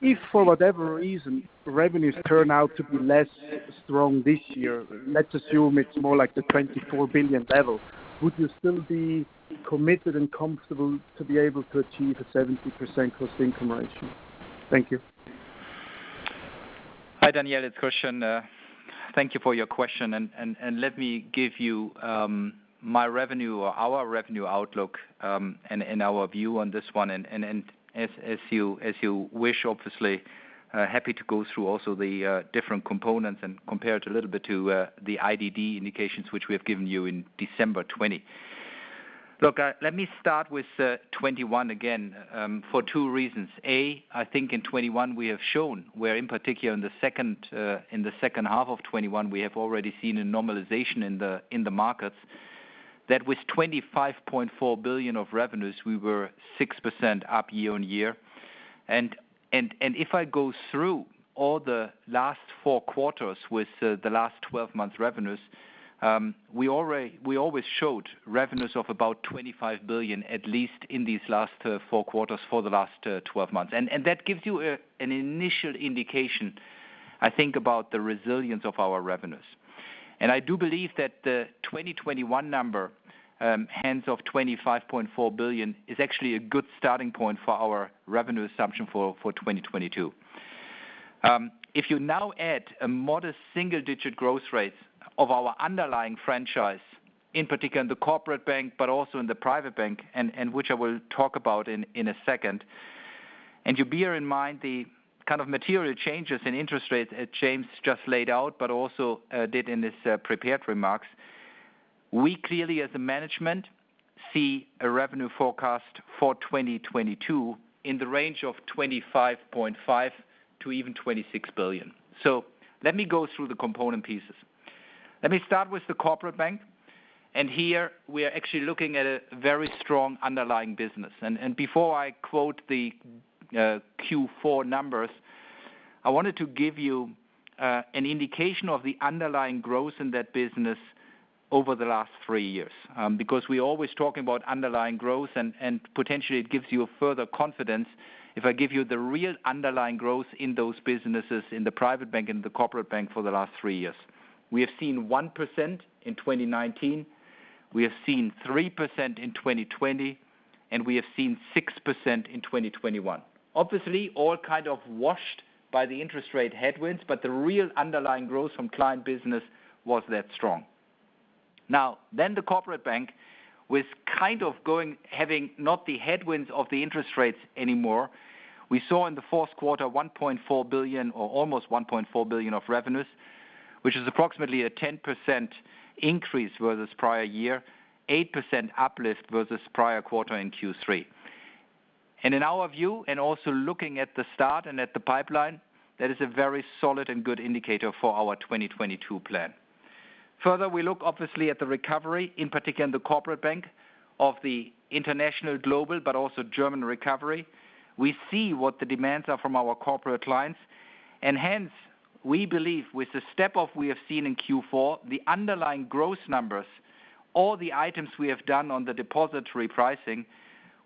S6: if for whatever reason revenues turn out to be less strong this year, let's assume it's more like the 24 billion level, would you still be committed and comfortable to be able to achieve a 70% cost income ratio? Thank you.
S3: Hi, Daniele. It's Christian. Thank you for your question. Let me give you my revenue or our revenue outlook and our view on this one. As you wish, obviously, happy to go through also the different components and compare it a little bit to the IDD indications which we have given you in December 2020. Look, let me start with 2021 again for two reasons. A, I think in 2021 we have shown where in particular in the H2 of 2021, we have already seen a normalization in the markets that with 25.4 billion of revenues, we were 6% up year-on-year. If I go through all the last four quarters with the last 12-month revenues, we always showed revenues of about 25 billion, at least in these last four quarters for the last 12 months. That gives you an initial indication, I think, about the resilience of our revenues. I do believe that the 2021 number, hands off 25.4 billion, is actually a good starting point for our revenue assumption for 2022. If you now add a modest single digit growth rate of our underlying franchise, in particular in the Corporate Bank, but also in the Private Bank, which I will talk about in a second, and you bear in mind the kind of material changes in interest rates as James just laid out, but also did in his prepared remarks, we clearly as a management see a revenue forecast for 2022 in the range of 25.5 billion to even 26 billion. Let me go through the component pieces. Let me start with the Corporate Bank, and here we are actually looking at a very strong underlying business. Before I quote the Q4 numbers, I wanted to give you an indication of the underlying growth in that business over the last three-years. Because we're always talking about underlying growth and potentially it gives you further confidence if I give you the real underlying growth in those businesses in the Private Bank and the Corporate Bank for the last three years. We have seen 1% in 2019, we have seen 3% in 2020, and we have seen 6% in 2021. Obviously, all kind of washed by the interest rate headwinds, but the real underlying growth from client business was that strong. Now, then the Corporate Bank with kind of having not the headwinds of the interest rates anymore, we saw in the Q4 1.4 billion or almost 1.4 billion of revenues, which is approximately a 10% increase versus prior year, 8% uplift versus prior quarter in Q3. In our view, and also looking at the start and at the pipeline, that is a very solid and good indicator for our 2022 plan. Further, we look obviously at the recovery, in particular in the Corporate Bank of the international global, but also German recovery. We see what the demands are from our corporate clients, and hence we believe with the steps that we have seen in Q4, the underlying growth numbers, all the items we have done on the depository pricing,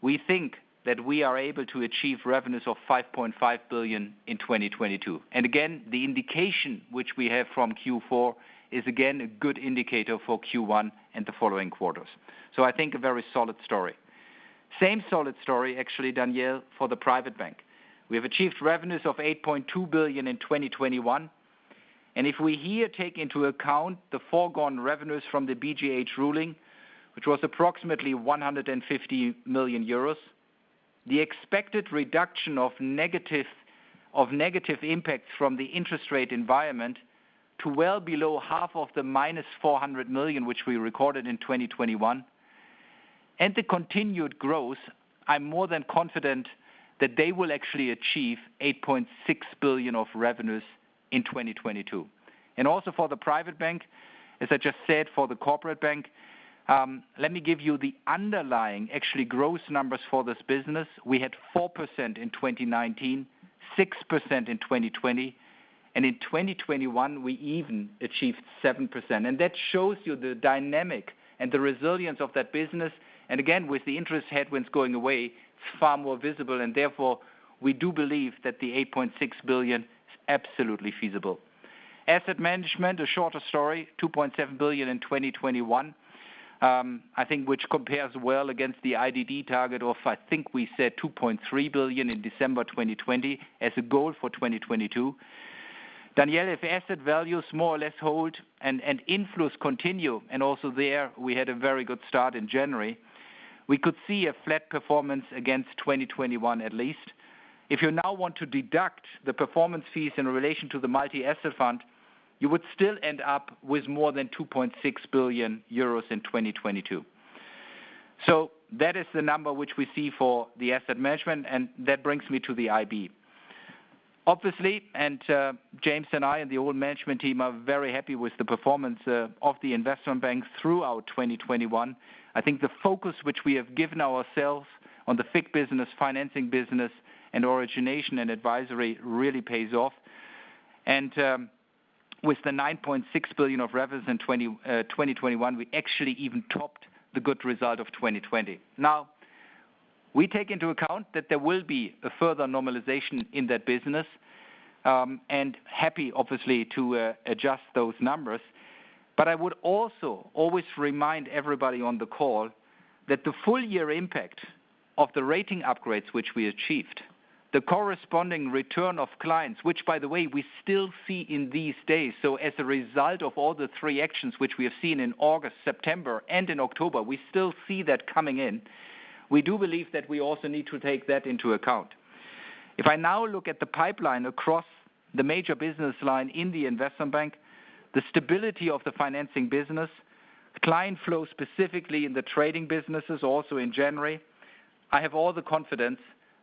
S3: we think that we are able to achieve revenues of 5.5 billion in 2022. Again, the indication which we have from Q4 is again a good indicator for Q1 and the following quarters. I think a very solid story. Same solid story actually, Daniele, for the Private Bank. We have achieved revenues of 8.2 billion in 2021. If we here take into account the foregone revenues from the BGH ruling, which was approximately 150 million euros, the expected reduction of negative impacts from the interest rate environment to well below half of the -400 million, which we recorded in 2021, and the continued growth, I'm more than confident that they will actually achieve 8.6 billion of revenues in 2022. Also for the private bank, as I just said, for the corporate bank, let me give you the underlying actually gross numbers for this business. We had 4% in 2019, 6% in 2020, and in 2021 we even achieved 7%. That shows you the dynamic and the resilience of that business. Again, with the interest headwinds going away, far more visible, and therefore we do believe that the 8.6 billion is absolutely feasible. Asset management, a shorter story, 2.7 billion in 2021, I think which compares well against the IDD target of I think we said 2.3 billion in December 2020 as a goal for 2022. Daniele, if asset values more or less hold and inflows continue, and also there we had a very good start in January. We could see a flat performance against 2021, at least. If you now want to deduct the performance fees in relation to the multi-asset fund, you would still end up with more than 2.6 billion euros in 2022. That is the number which we see for the asset management, and that brings me to the IB. Obviously, James and I and the old management team are very happy with the performance of the investment bank throughout 2021. I think the focus which we have given ourselves on the FIC business, financing business and origination and advisory really pays off. With the 9.6 billion of revenues in 2021, we actually even topped the good result of 2020. Now, we take into account that there will be a further normalization in that business and happy obviously to adjust those numbers. I would also always remind everybody on the call that the full year impact of the rating upgrades which we achieved, the corresponding return of clients, which by the way, we still see in these days. As a result of all the three actions which we have seen in August, September and in October, we still see that coming in. We do believe that we also need to take that into account. If I now look at the pipeline across the major business line in the Investment Bank, the stability of the financing business, client flow specifically in the trading businesses also in January, I have all the confidence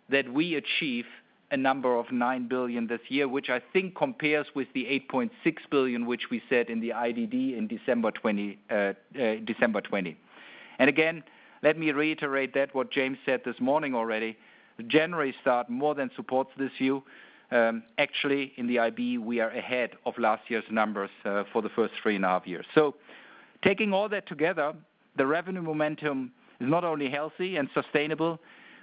S3: that we achieve a number of 9 billion this year, which I think compares with the 8.6 billion, which we said in the IDD in December 2020. Again, let me reiterate that what James said this morning already, January start more than supports this view. Actually in the IB, we are ahead of last year's numbers, for the first three and a half years. Taking all that together, the revenue momentum is not only healthy and sustainable.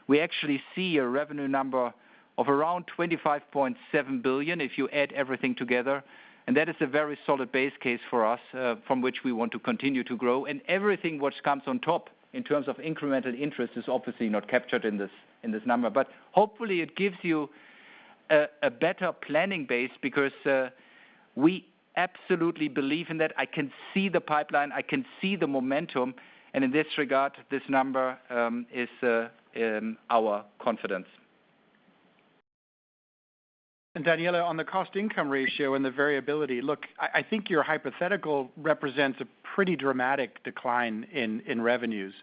S3: We actually see a revenue number of around 25.7 billion if you add everything together. That is a very solid base case for us from which we want to continue to grow. Everything which comes on top in terms of incremental interest is obviously not captured in this number. Hopefully it gives you a better planning base because we absolutely believe in that. I can see the pipeline. I can see the momentum. In this regard, this number is our confidence.
S4: Daniele, on the cost income ratio and the variability, look, I think your hypothetical represents a pretty dramatic decline in revenues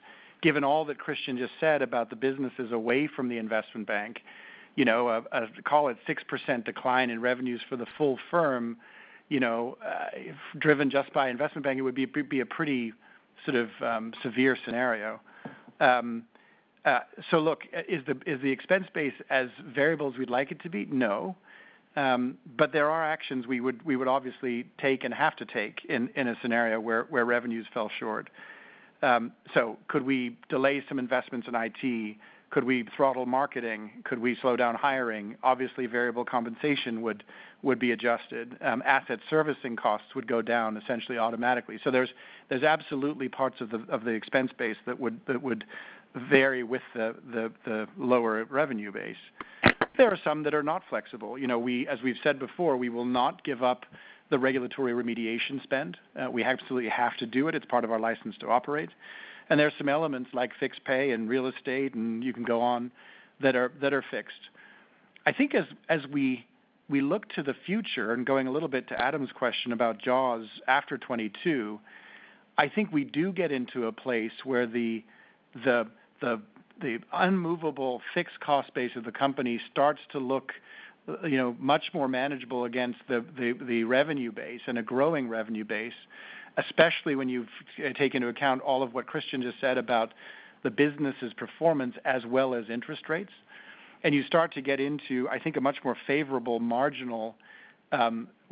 S4: given all that Christian just said about the businesses away from the investment bank. You know, a call it 6% decline in revenues for the full firm, you know, driven just by investment bank, it would be a pretty sort of severe scenario. So look, is the expense base as variables we'd like it to be? No. But there are actions we would obviously take and have to take in a scenario where revenues fell short. So could we delay some investments in IT? Could we throttle marketing? Could we slow down hiring? Obviously, variable compensation would be adjusted. Asset servicing costs would go down essentially automatically. There's absolutely parts of the expense base that would vary with the lower revenue base. There are some that are not flexible. You know, as we've said before, we will not give up the regulatory remediation spend. We absolutely have to do it. It's part of our license to operate. There are some elements like fixed pay and real estate, and you can go on, that are fixed. I think as we look to the future and going a little bit to Adam's question about JAWS after 22, I think we do get into a place where the unmovable fixed cost base of the company starts to look, you know, much more manageable against the revenue base and a growing revenue base, especially when you take into account all of what Christian just said about the business's performance as well as interest rates. You start to get into, I think, a much more favorable marginal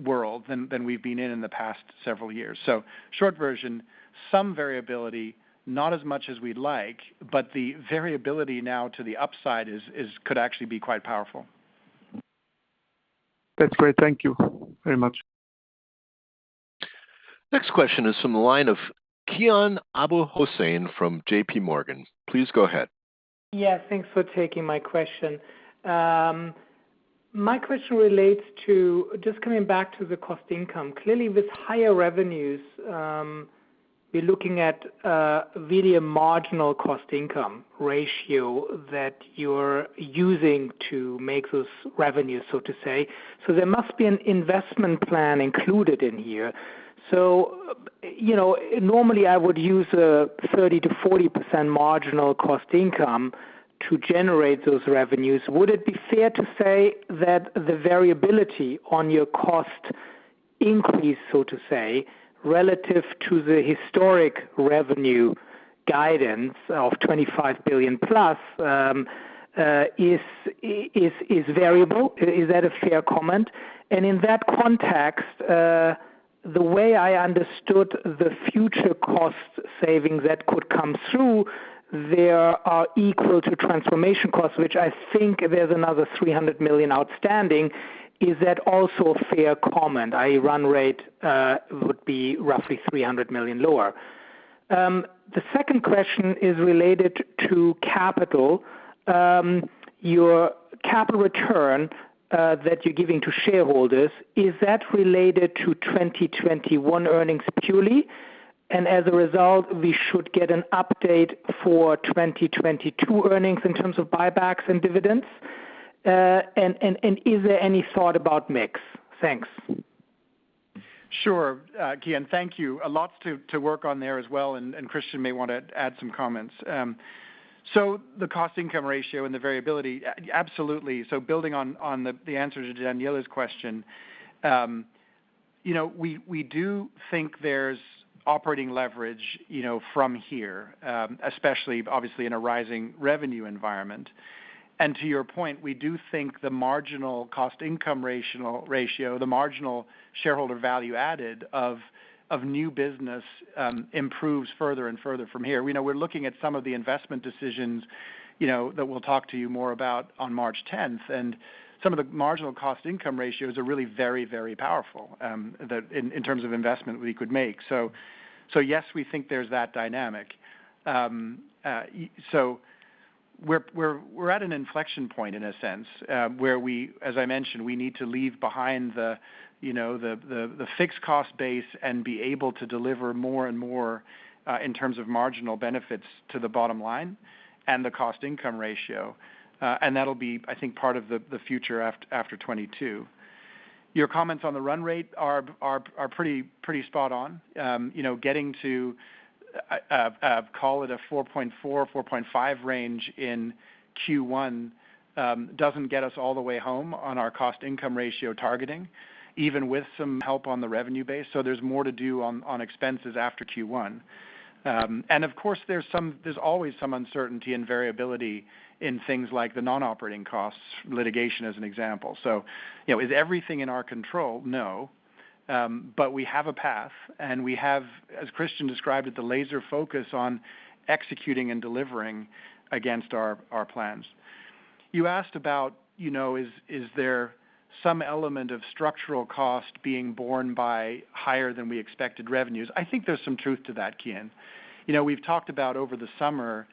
S4: world than we've been in in the past several years. Short version, some variability, not as much as we'd like, but the variability now to the upside is, could actually be quite powerful.
S6: That's great. Thank you very much.
S1: Next question is from the line of Kian Abouhossein from J.P. Morgan. Please go ahead.
S7: Yes, thanks for taking my question. My question relates to just coming back to the cost income. Clearly, with higher revenues, we're looking at really a marginal cost income ratio that you're using to make those revenues, so to say. You know, normally I would use a 30%-40% marginal cost income to generate those revenues. Would it be fair to say that the variability on your cost increase, so to say, relative to the historic revenue guidance of 25 billion plus, is variable? Is that a fair comment? In that context, the way I understood the future cost savings that could come through there are equal to transformation costs, which I think there's another 300 million outstanding. Is that also a fair comment? A run rate would be roughly 300 million lower. The second question is related to capital. Your capital return that you're giving to shareholders, is that related to 2021 earnings purely? As a result, we should get an update for 2022 earnings in terms of buybacks and dividends. Is there any thought about mix? Thanks.
S4: Sure. Kian, thank you. A lot to work on there as well, and Christian may want to add some comments. The cost income ratio and the variability, absolutely. Building on the answer to Danielle's question, you know, we do think there's operating leverage, you know, from here, especially obviously in a rising revenue environment. To your point, we do think the marginal cost income ratio, the marginal shareholder value added of new business, improves further and further from here. Now we're looking at some of the investment decisions, you know, that we'll talk to you more about on March tenth. Some of the marginal cost income ratios are really very, very powerful, that in terms of investment we could make. Yes, we think there's that dynamic. We're at an inflection point in a sense, where we, as I mentioned, we need to leave behind the, you know, the fixed cost base and be able to deliver more and more in terms of marginal benefits to the bottom line and the cost income ratio. That'll be, I think, part of the future after 2022. Your comments on the run rate are pretty spot on. You know, getting to a 4.4-4.5 range in Q1 doesn't get us all the way home on our cost income ratio targeting, even with some help on the revenue base. There's more to do on expenses after Q1. Of course, there's always some uncertainty and variability in things like the non-operating costs, litigation as an example. You know, is everything in our control? No. We have a path, and we have, as Christian described it, the laser focus on executing and delivering against our plans. You asked about, you know, is there some element of structural cost being borne by higher than we expected revenues? I think there's some truth to that, Kian. You know, we've talked about over the summer,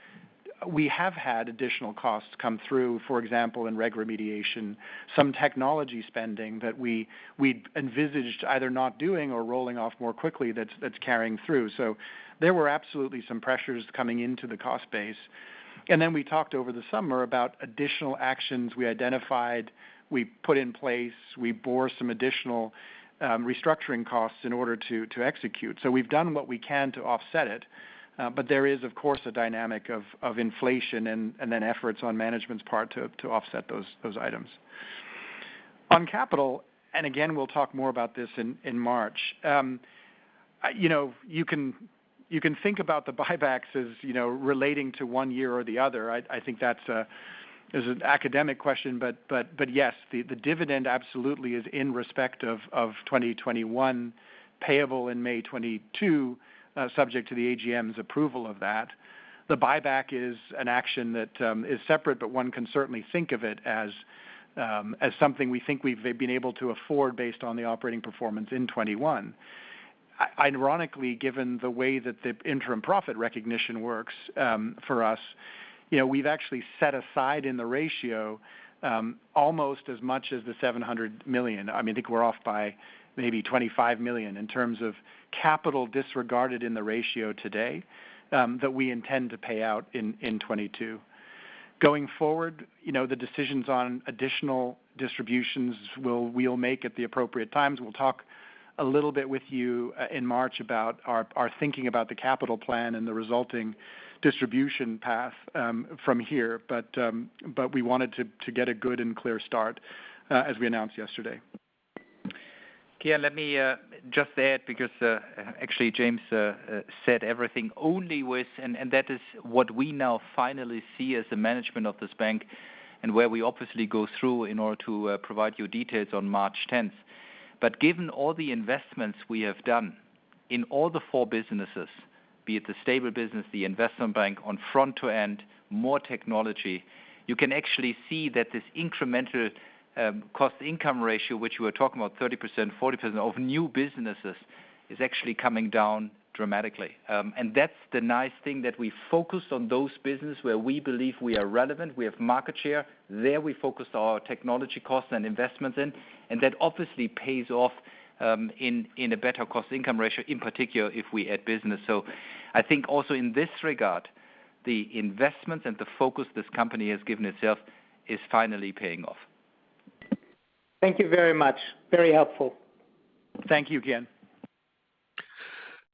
S4: we have had additional costs come through, for example, in reg remediation, some technology spending that we'd envisaged either not doing or rolling off more quickly that's carrying through. There were absolutely some pressures coming into the cost base. Then we talked over the summer about additional actions we identified, we put in place, we bore some additional restructuring costs in order to execute. So we've done what we can to offset it. But there is, of course, a dynamic of inflation and then efforts on management's part to offset those items. On capital, and again, we'll talk more about this in March. You know, you can think about the buybacks as, you know, relating to one year or the other. I think that's an academic question. But yes, the dividend absolutely is in respect of 2021 payable in May 2022, subject to the AGM's approval of that. The buyback is an action that is separate, but one can certainly think of it as something we think we've been able to afford based on the operating performance in 2021. Ironically, given the way that the interim profit recognition works, for us, you know, we've actually set aside in the ratio almost as much as the 700 million. I mean, I think we're off by maybe 25 million in terms of capital disregarded in the ratio today that we intend to pay out in 2022. Going forward, you know, the decisions on additional distributions we'll make at the appropriate times. We'll talk a little bit with you in March about our thinking about the capital plan and the resulting distribution path from here. We wanted to get a good and clear start, as we announced yesterday.
S3: Okay, let me just add because actually James said everything only with and that is what we now finally see as the management of this bank and where we obviously go through in order to provide you details on March 10. Given all the investments we have done in all the four businesses, be it the stable business, the investment bank on front to end, more technology, you can actually see that this incremental cost-income ratio, which we're talking about 30%, 40% of new businesses, is actually coming down dramatically. That's the nice thing, that we focus on those business where we believe we are relevant. We have market share. There we focused our technology costs and investments in, and that obviously pays off in a better cost-income ratio, in particular if we add business. I think also in this regard, the investments and the focus this company has given itself is finally paying off.
S7: Thank you very much. Very helpful.
S4: Thank you again.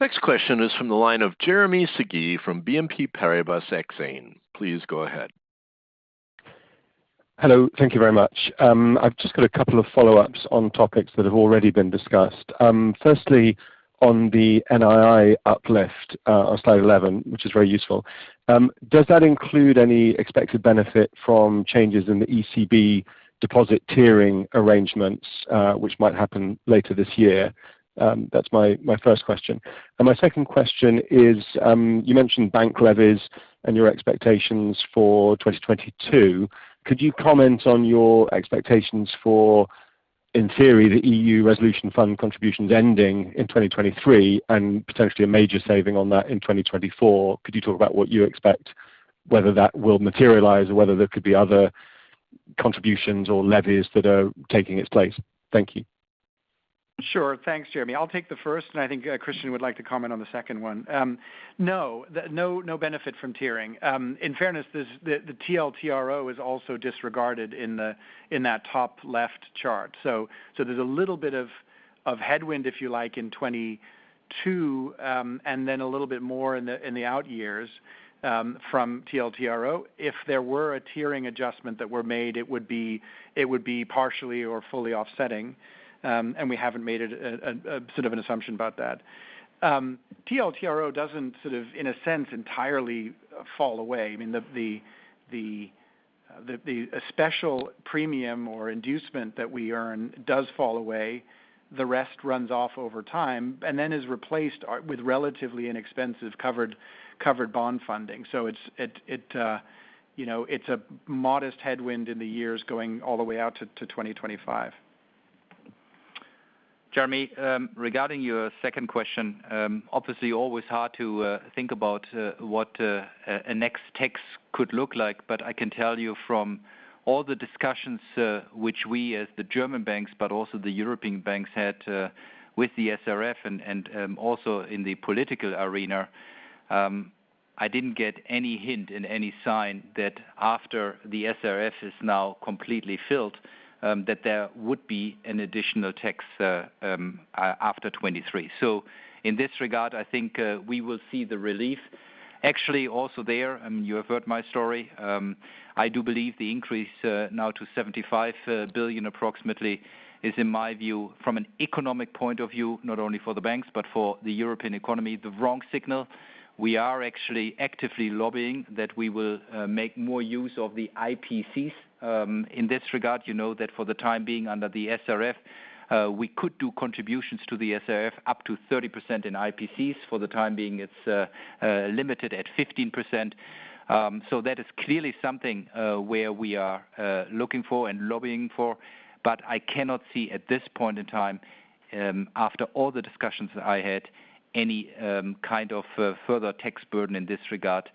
S1: Next question is from the line of Jeremy Sigee from BNP Paribas Exane. Please go ahead.
S8: Hello. Thank you very much. I've just got a couple of follow-ups on topics that have already been discussed. Firstly on the NII uplift, on slide 11, which is very useful. Does that include any expected benefit from changes in the ECB deposit tiering arrangements, which might happen later this year? That's my first question. My second question is, you mentioned bank levies and your expectations for 2022. Could you comment on your expectations for, in theory, the Single Resolution Fund contributions ending in 2023 and potentially a major saving on that in 2024? Could you talk about what you expect, whether that will materialize or whether there could be other contributions or levies that are taking its place? Thank you.
S4: Sure. Thanks, Jeremy. I'll take the first, and I think Christian would like to comment on the second one. No benefit from tiering. In fairness, the TLTRO is also disregarded in that top left chart. There's a little bit of headwind, if you like, in 2022, and then a little bit more in the out years from TLTRO. If there were a tiering adjustment that were made, it would be partially or fully offsetting, and we haven't made it a sort of an assumption about that. TLTRO doesn't sort of, in a sense, entirely fall away. I mean, a special premium or inducement that we earn does fall away. The rest runs off over time and then is replaced with relatively inexpensive covered bond funding. It's, you know, a modest headwind in the years going all the way out to 2025.
S3: Jeremy, regarding your second question, obviously always hard to think about what a next tax could look like. I can tell you from all the discussions which we as the German banks, but also the European banks had with the SRF and also in the political arena, I didn't get any hint and any sign that after the SRF is now completely filled that there would be an additional tax after 2023. In this regard, I think we will see the relief. Actually, also there, you have heard my story, I do believe the increase now to 75 billion approximately is, in my view, from an economic point of view, not only for the banks, but for the European economy, the wrong signal. We are actually actively lobbying that we will make more use of the IPCs in this regard. You know that for the time being under the SRF, we could do contributions to the SRF up to 30% in IPCs. For the time being, it's limited at 15%. That is clearly something where we are looking for and lobbying for. I cannot see at this point in time, after all the discussions I had, any kind of further tax burden in this regard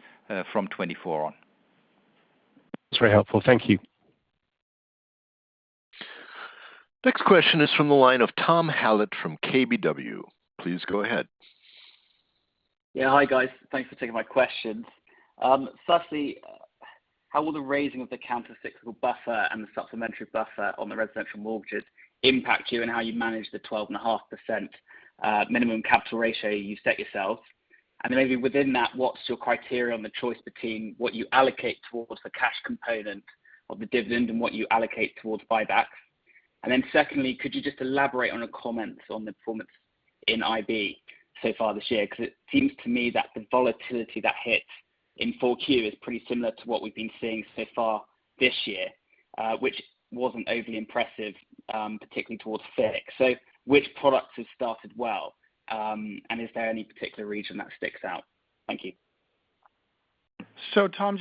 S3: from 2024 on.
S8: It's very helpful. Thank you.
S1: Next question is from the line of Tom Hallett from KBW. Please go ahead.
S9: Yeah. Hi, guys. Thanks for taking my questions. Firstly, how will the raising of the countercyclical buffer and the supplementary buffer on the residential mortgages impact you and how you manage the 12.5% minimum capital ratio you set yourselves? Then maybe within that, what's your criteria on the choice between what you allocate towards the cash component of the dividend and what you allocate towards buybacks? Then secondly, could you just elaborate on a comment on the performance in IB so far this year? Because it seems to me that the volatility that hit in 4Q is pretty similar to what we've been seeing so far this year, which wasn't overly impressive, particularly towards FICC. Which products have started well, and is there any particular region that sticks out? Thank you.
S4: Tom,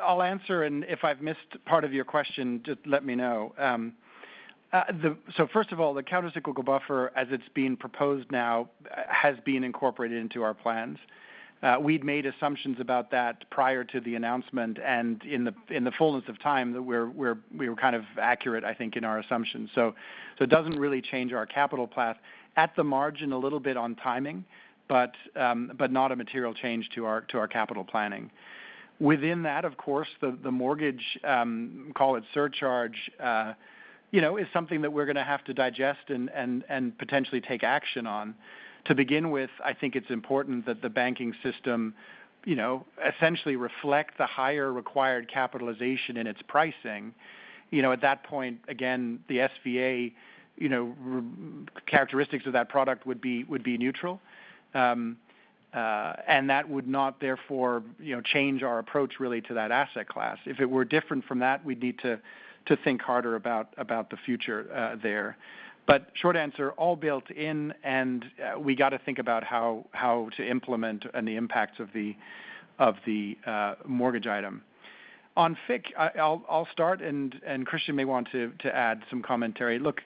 S4: I'll answer, and if I've missed part of your question, just let me know. First of all, the countercyclical buffer, as it's being proposed now, has been incorporated into our plans. We'd made assumptions about that prior to the announcement and in the fullness of time, that we were kind of accurate, I think, in our assumptions. It doesn't really change our capital plan. At the margin, a little bit on timing, but not a material change to our capital planning. Within that, of course, the mortgage, call it surcharge, you know, is something that we're gonna have to digest and potentially take action on. To begin with, I think it's important that the banking system, you know, essentially reflect the higher required capitalization in its pricing. You know, at that point, again, the SVA, you know, characteristics of that product would be neutral. And that would not, therefore, you know, change our approach really to that asset class. If it were different from that, we'd need to think harder about the future there. But short answer, all built in, and we gotta think about how to implement and the impacts of the mortgage item. On FIC, I'll start and Christian may want to add some commentary. Look,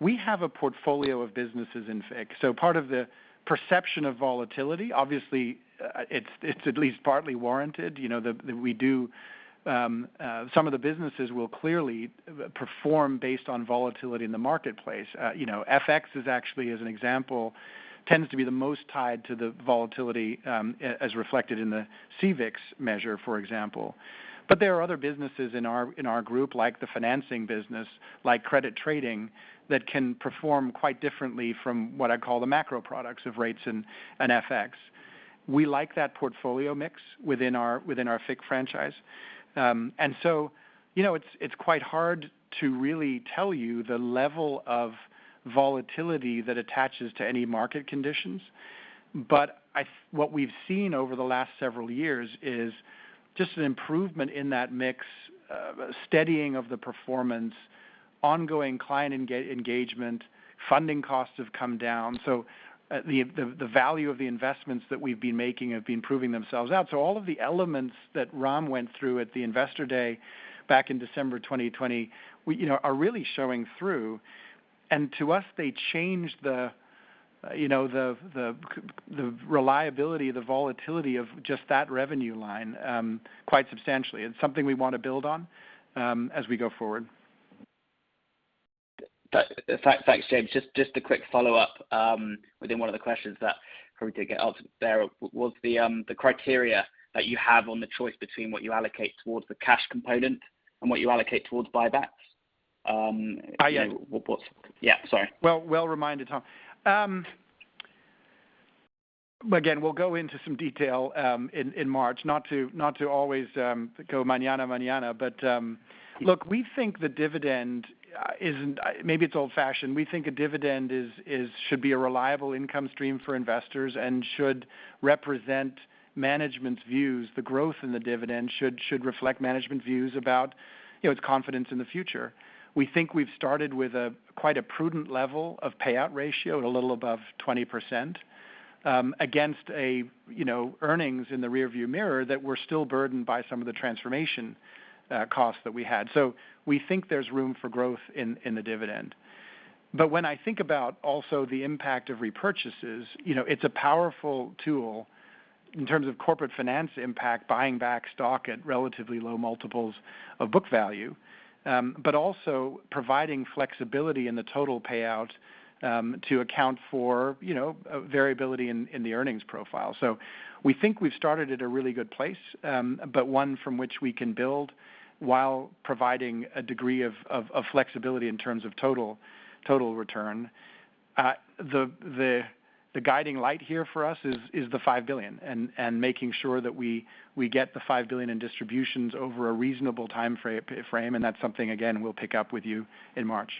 S4: we have a portfolio of businesses in FIC, so part of the perception of volatility, obviously, it's at least partly warranted. You know, we do some of the businesses will clearly perform based on volatility in the marketplace. You know, FX is actually, as an example, tends to be the most tied to the volatility, as reflected in the CVIX measure, for example. But there are other businesses in our group like the financing business, like credit trading, that can perform quite differently from what I call the macro products of rates and FX. We like that portfolio mix within our FIC franchise. And so, you know, it's quite hard to really tell you the level of volatility that attaches to any market conditions. But what we've seen over the last several years is just an improvement in that mix, steadying of the performance, ongoing client engagement. Funding costs have come down. The value of the investments that we've been making have been proving themselves out. All of the elements that Ram went through at the Investor Day back in December 2020, you know, are really showing through. To us, they change the, you know, the reliability, the volatility of just that revenue line quite substantially. It's something we want to build on as we go forward.
S9: Thanks, James. Just a quick follow-up. Within one of the questions that probably didn't get answered there, was the criteria that you have on the choice between what you allocate towards the cash component and what you allocate towards buybacks?
S4: Oh, yeah.
S9: Yeah, sorry.
S4: Well reminded, Tom. Again, we'll go into some detail in March. Not to always go mañana, but look, we think the dividend isn't. Maybe it's old-fashioned. We think a dividend should be a reliable income stream for investors and should represent management's views. The growth in the dividend should reflect management views about, you know, its confidence in the future. We think we've started with quite a prudent level of payout ratio at a little above 20%, against a, you know, earnings in the rear view mirror that we're still burdened by some of the transformation costs that we had. We think there's room for growth in the dividend. When I think about also the impact of repurchases, you know, it's a powerful tool in terms of corporate finance impact, buying back stock at relatively low multiples of book value, but also providing flexibility in the total payout, to account for, you know, variability in the earnings profile. We think we've started at a really good place, but one from which we can build while providing a degree of flexibility in terms of total return. The guiding light here for us is the 5 billion and making sure that we get the 5 billion in distributions over a reasonable time frame, and that's something again, we'll pick up with you in March.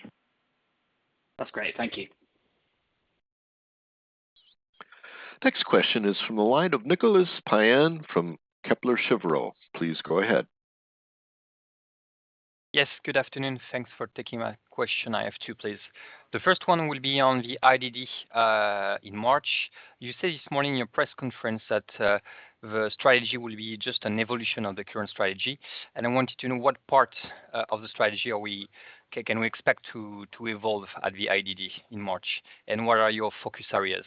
S9: That's great. Thank you.
S1: Next question is from the line of Nicolas Payen from Kepler Cheuvreux. Please go ahead.
S10: Yes, good afternoon. Thanks for taking my question. I have two, please. The first one will be on the IDD in March. You said this morning in your press conference that the strategy will be just an evolution of the current strategy, and I wanted to know what part of the strategy can we expect to evolve at the IDD in March, and what are your focus areas?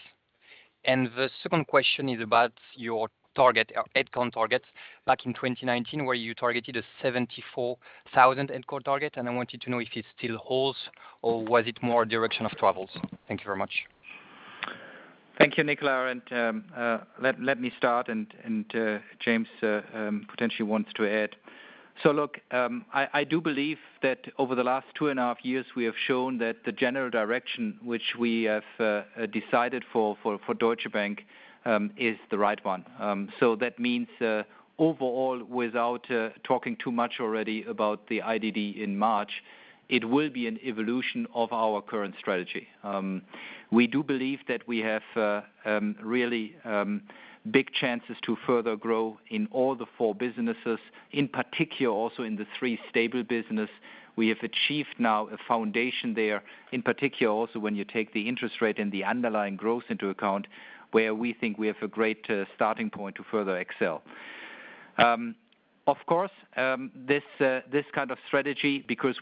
S10: The second question is about your headcount targets back in 2019, where you targeted a 74,000 headcount target, and I wanted to know if it still holds or was it more direction of travel. Thank you very much.
S3: Thank you, Nicolas. Let me start, and James potentially wants to add. Look, I do believe that over the last 2.5 years, we have shown that the general direction which we have decided for Deutsche Bank is the right one. That means, overall, without talking too much already about the IDD in March, it will be an evolution of our current strategy. We do believe that we have really big chances to further grow in all the four businesses, in particular, also in the three stable business. We have achieved now a foundation there, in particular also when you take the interest rate and the underlying growth into account, where we think we have a great starting point to further excel. Of course, this kind of strategy, because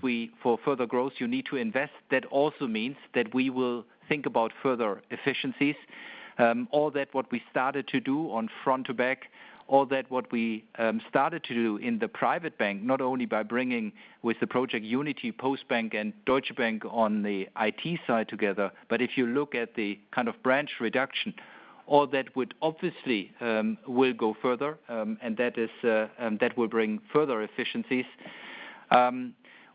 S3: for further growth, you need to invest. That also means that we will think about further efficiencies. All that we started to do on front to back and in the private bank, not only by bringing with the Project Unity, Postbank and Deutsche Bank on the IT side together. If you look at the kind of branch reduction, all that will go further, and that will bring further efficiencies.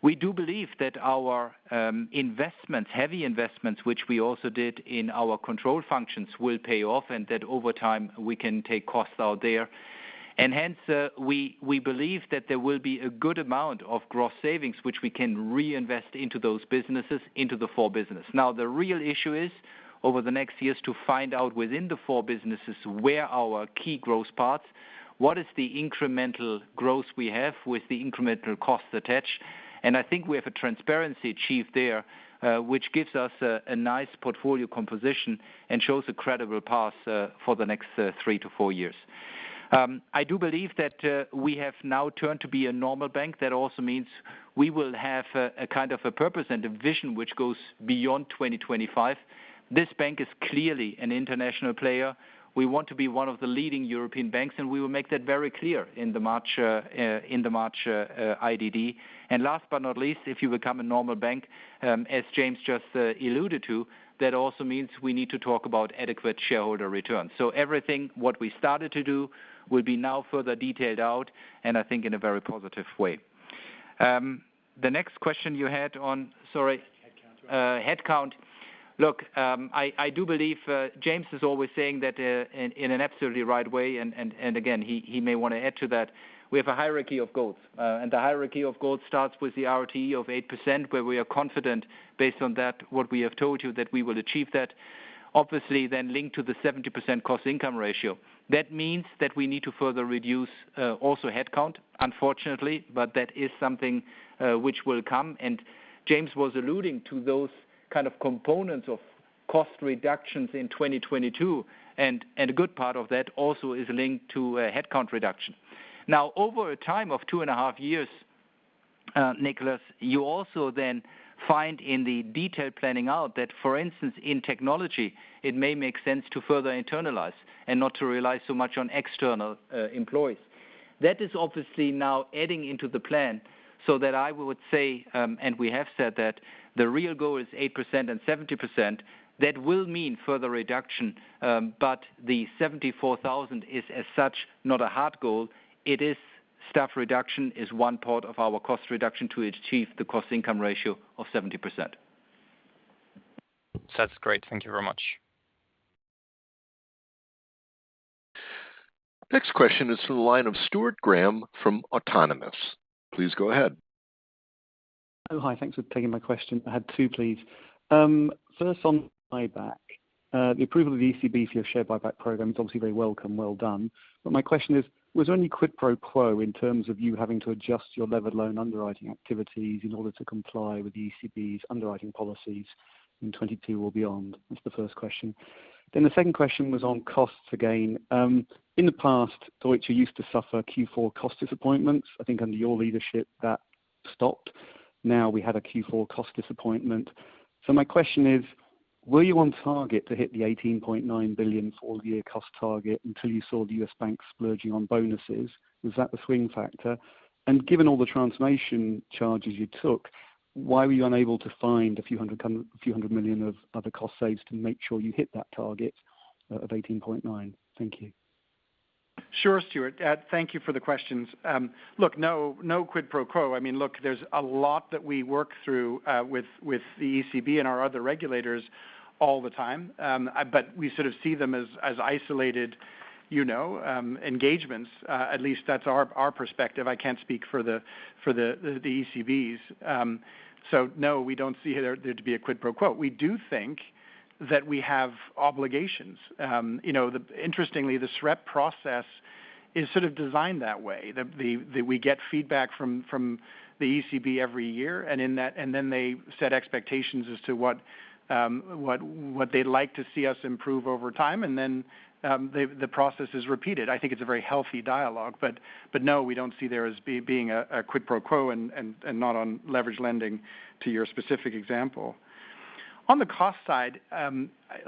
S3: We do believe that our investments, heavy investments, which we also did in our control functions, will pay off and that over time we can take costs out there. Hence, we believe that there will be a good amount of gross savings which we can reinvest into those businesses, into the four business. Now, the real issue is over the next years to find out within the four businesses where are our key growth parts, what is the incremental growth we have with the incremental costs attached. I think we have a transparency achieved there, which gives us a nice portfolio composition and shows a credible path for the next three to four years. I do believe that we have now turned to be a normal bank. That also means we will have a kind of purpose and a vision which goes beyond 2025. This bank is clearly an international player. We want to be one of the leading European banks, and we will make that very clear in the March IDD. Last but not least, if you become a normal bank, as James just alluded to, that also means we need to talk about adequate shareholder returns. Everything what we started to do will be now further detailed out, and I think in a very positive way. The next question you had on. Sorry. Headcount? Headcount. Look, I do believe James is always saying that in an absolutely right way, and again, he may want to add to that. We have a hierarchy of goals, and the hierarchy of goals starts with the RTE of 8%, where we are confident based on that, what we have told you, that we will achieve that. Obviously, then linked to the 70% cost-income ratio. That means that we need to further reduce also headcount, unfortunately, but that is something which will come. James was alluding to those kind of components of cost reductions in 2022, and a good part of that also is linked to a headcount reduction. Now, over a time of 2.5 years, Nicolas, you also then find in the detailed planning out that, for instance, in technology, it may make sense to further internalize and not to rely so much on external employees. That is obviously now adding into the plan so that I would say, and we have said that the real goal is 8% and 70%. That will mean further reduction, but the 74,000 is as such not a hard goal. Staff reduction is one part of our cost reduction to achieve the cost-income ratio of 70%.
S10: That's great. Thank you very much.
S1: Next question is to the line of Stuart Graham from Autonomous. Please go ahead.
S11: Oh, hi. Thanks for taking my question. I had two, please. First on buyback. The approval of the ECB for your share buyback program is obviously very welcome, well done. But my question is, was there any quid pro quo in terms of you having to adjust your levered loan underwriting activities in order to comply with the ECB's underwriting policies in 2022 or beyond? That's the first question. The second question was on costs again. In the past, Deutsche used to suffer Q4 cost disappointments. I think under your leadership, that stopped. Now we have a Q4 cost disappointment. My question is, were you on target to hit the 18.9 billion full-year cost target until you saw the U.S. bank splurging on bonuses? Was that the swing factor? Given all the transformation charges you took, why were you unable to find EUR a few hundred million of other cost savings to make sure you hit that target of 18.9? Thank you.
S4: Sure, Stuart. Thank you for the questions. Look, no quid pro quo. I mean, look, there's a lot that we work through with the ECB and our other regulators all the time. We sort of see them as isolated, you know, engagements. At least that's our perspective. I can't speak for the ECB's. No, we don't see there to be a quid pro quo. We do think that we have obligations. You know, interestingly, the SREP process is sort of designed that way. We get feedback from the ECB every year, and then they set expectations as to what they'd like to see us improve over time. The process is repeated. I think it's a very healthy dialogue. No, we don't see there as being a quid pro quo and not on leverage lending to your specific example. On the cost side,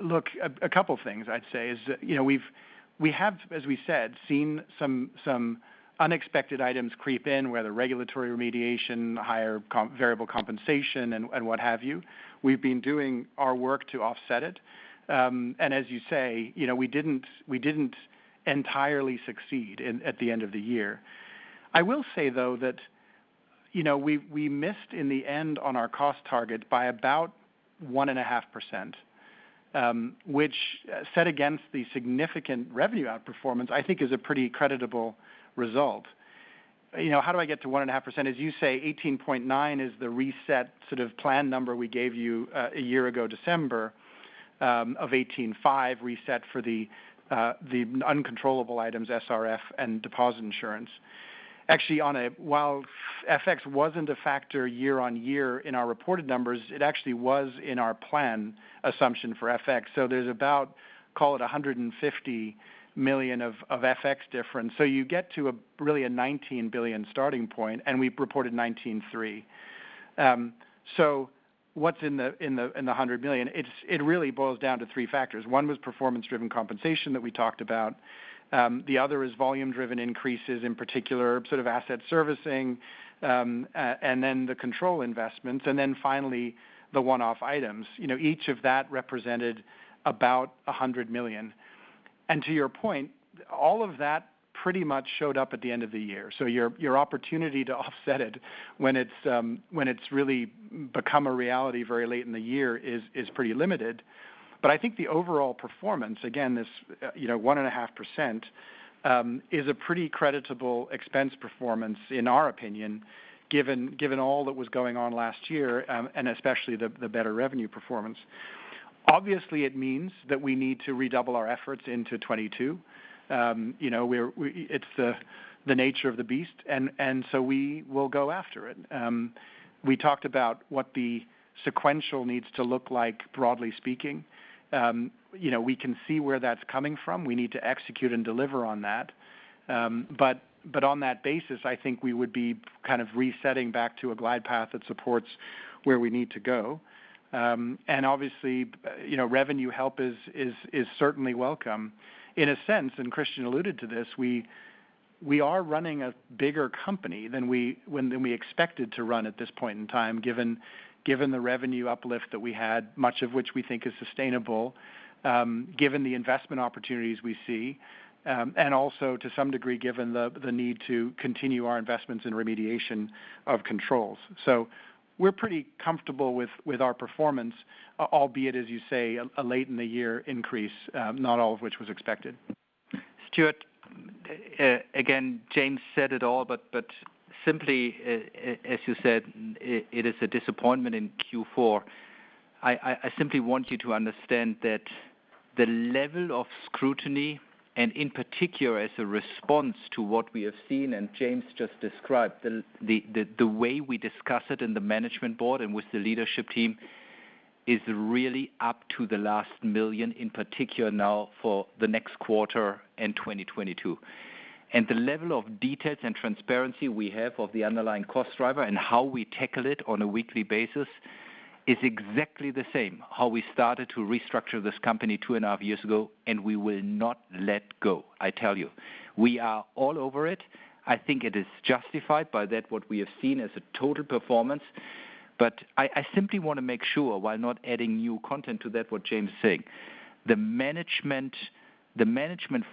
S4: look, a couple things I'd say is, you know, we have, as we said, seen some unexpected items creep in, whether regulatory remediation, higher variable compensation and what have you. We've been doing our work to offset it. And as you say, you know, we didn't entirely succeed at the end of the year. I will say, though, that, you know, we missed in the end on our cost target by about 1.5%, which set against the significant revenue outperformance, I think is a pretty creditable result. You know, how do I get to 1.5%? As you say, 18.9 is the reset sort of plan number we gave you a year ago December of 18.5 reset for the uncontrollable items, SRF and deposit insurance. Actually, while FX wasn't a factor year on year in our reported numbers, it actually was in our plan assumption for FX. So there's about, call it 150 million of FX difference. So you get to a really 19 billion starting point, and we reported 19.3. So what's in the 100 million? It really boils down to three factors. One was performance-driven compensation that we talked about. The other is volume-driven increases, in particular sort of asset servicing, and then the control investments, and then finally the one-off items. You know, each of that represented about 100 million. To your point, all of that pretty much showed up at the end of the year. Your opportunity to offset it when it's really become a reality very late in the year is pretty limited. I think the overall performance, again, this, you know, 1.5%, is a pretty creditable expense performance in our opinion, given all that was going on last year, and especially the better revenue performance. Obviously, it means that we need to redouble our efforts into 2022. You know, it's the nature of the beast, and so we will go after it. We talked about what the sequential needs to look like, broadly speaking. You know, we can see where that's coming from. We need to execute and deliver on that. On that basis, I think we would be kind of resetting back to a glide path that supports where we need to go. Obviously, you know, revenue help is certainly welcome. In a sense, and Christian alluded to this, we are running a bigger company than we expected to run at this point in time, given the revenue uplift that we had, much of which we think is sustainable, given the investment opportunities we see, and also to some degree, given the need to continue our investments in remediation of controls. We're pretty comfortable with our performance, albeit, as you say, a late in the year increase, not all of which was expected.
S3: Stuart, again, James said it all, but simply, as you said, it is a disappointment in Q4. I simply want you to understand that the level of scrutiny and in particular, as a response to what we have seen, and James just described, the way we discuss it in the Management Board and with the Leadership Team is really up to the last million, in particular now for the next quarter and 2022. The level of details and transparency we have of the underlying cost driver and how we tackle it on a weekly basis is exactly the same as how we started to restructure this company two and a half years ago, and we will not let go, I tell you. We are all over it. I think it is justified by what we have seen as a total performance. I simply want to make sure while not adding new content to that what James is saying, the management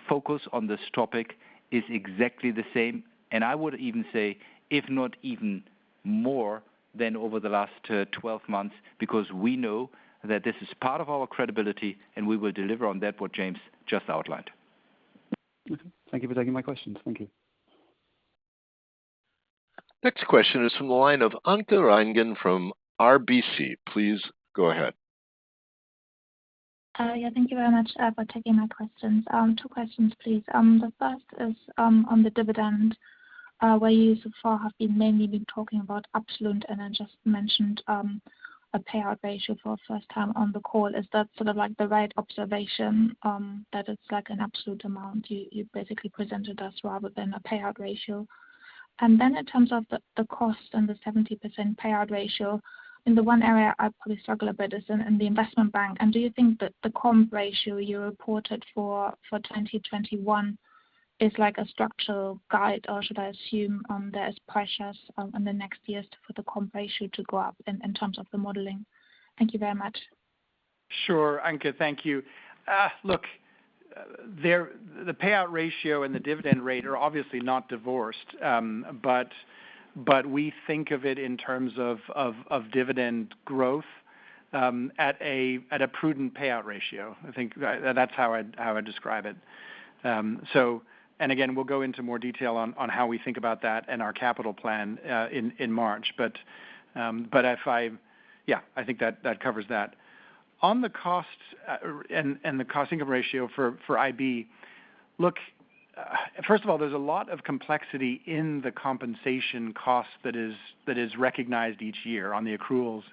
S3: focus on this topic is exactly the same, and I would even say, if not even more than over the last twelve months, because we know that this is part of our credibility, and we will deliver on that what James just outlined.
S11: Okay. Thank you for taking my questions. Thank you.
S1: Next question is from the line of Anke Reingen from RBC. Please go ahead.
S12: Yeah, thank you very much for taking my questions. Two questions, please. The first is on the dividend, where you so far have mainly been talking about absolute, and then just mentioned a payout ratio for the first time on the call. Is that sort of like the right observation that it's like an absolute amount you basically presented us rather than a payout ratio? And then in terms of the cost and the 70% payout ratio, the one area I probably struggle a bit is in the investment bank. Do you think that the comp ratio you reported for 2021 is like a structural guide, or should I assume there's pressures in the next years for the comp ratio to go up in terms of the modeling? Thank you very much.
S4: Sure, Anke. Thank you. Look, the payout ratio and the dividend rate are obviously not divorced, but we think of it in terms of dividend growth at a prudent payout ratio. I think that's how I'd describe it. We'll go into more detail on how we think about that and our capital plan in March. But if I... Yeah, I think that covers that. On the costs and the cost-income ratio for IB. Look, first of all, there's a lot of complexity in the compensation cost that is recognized each year on the accruals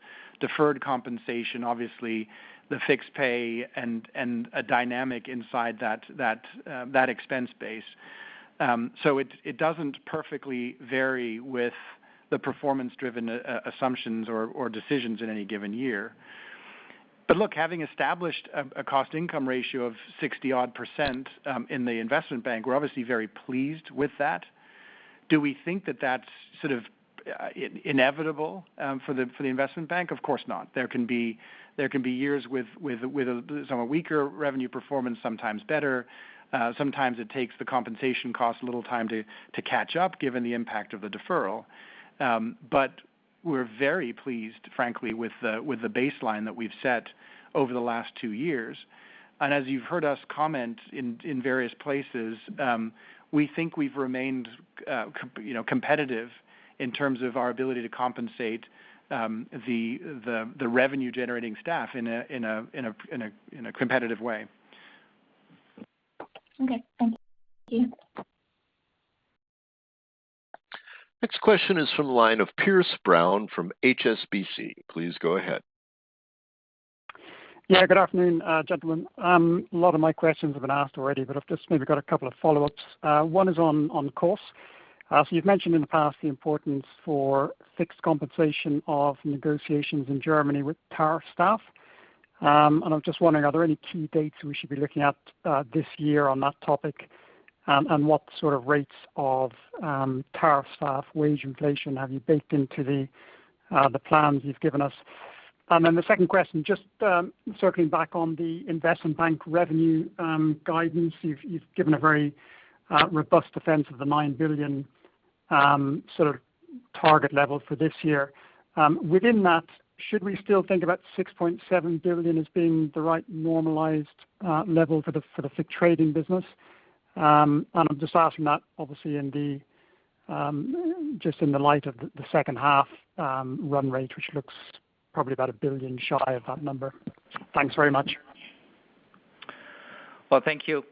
S4: deferred compensation, obviously, the fixed pay and a dynamic inside that expense base. It doesn't perfectly vary with the performance-driven assumptions or decisions in any given year. Look, having established a cost income ratio of 60-odd% in the Investment Bank, we're obviously very pleased with that. Do we think that that's sort of inevitable for the Investment Bank? Of course not. There can be years with a weaker revenue performance, sometimes better. Sometimes it takes the compensation cost a little time to catch up, given the impact of the deferral. We're very pleased, frankly, with the baseline that we've set over the last two years. As you've heard us comment in various places, we think we've remained, you know, competitive in terms of our ability to compensate the revenue generating staff in a competitive way.
S12: Okay. Thank you.
S1: Next question is from the line of Piers Brown from HSBC. Please go ahead.
S13: Yeah, good afternoon, gentlemen. A lot of my questions have been asked already, but I've just maybe got a couple of follow-ups. One is on costs. So you've mentioned in the past the importance for fixed compensation of negotiations in Germany with our staff. I'm just wondering, are there any key dates we should be looking at this year on that topic? What sort of rates of tariff staff wage inflation have you baked into the plans you've given us? The second question, just circling back on the investment bank revenue guidance. You've given a very robust defense of the 9 billion sort of target level for this year. Within that, should we still think about 6.7 billion as being the right normalized level for the FICC trading business? I'm just asking that obviously in just the light of the H2 run rate, which looks probably about 1 billion shy of that number. Thanks very much.
S3: Well, thank you.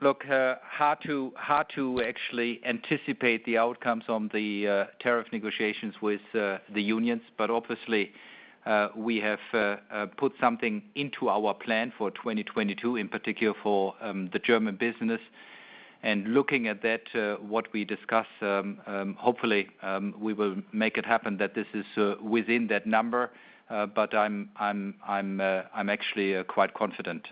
S3: Look, hard to actually anticipate the outcomes on the tariff negotiations with the unions. Obviously, we have put something into our plan for 2022, in particular for the German business. Looking at that, what we discuss hopefully we will make it happen that this is within that number. I'm actually quite confident.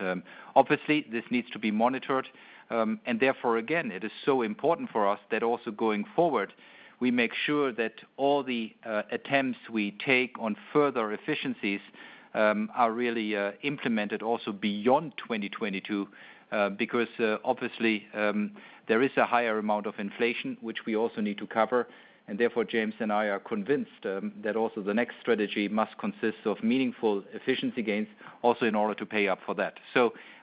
S3: Obviously this needs to be monitored. Therefore again, it is so important for us that also going forward, we make sure that all the attempts we take on further efficiencies are really implemented also beyond 2022. Because obviously there is a higher amount of inflation, which we also need to cover. Therefore, James and I are convinced that also the next strategy must consist of meaningful efficiency gains also in order to pay up for that.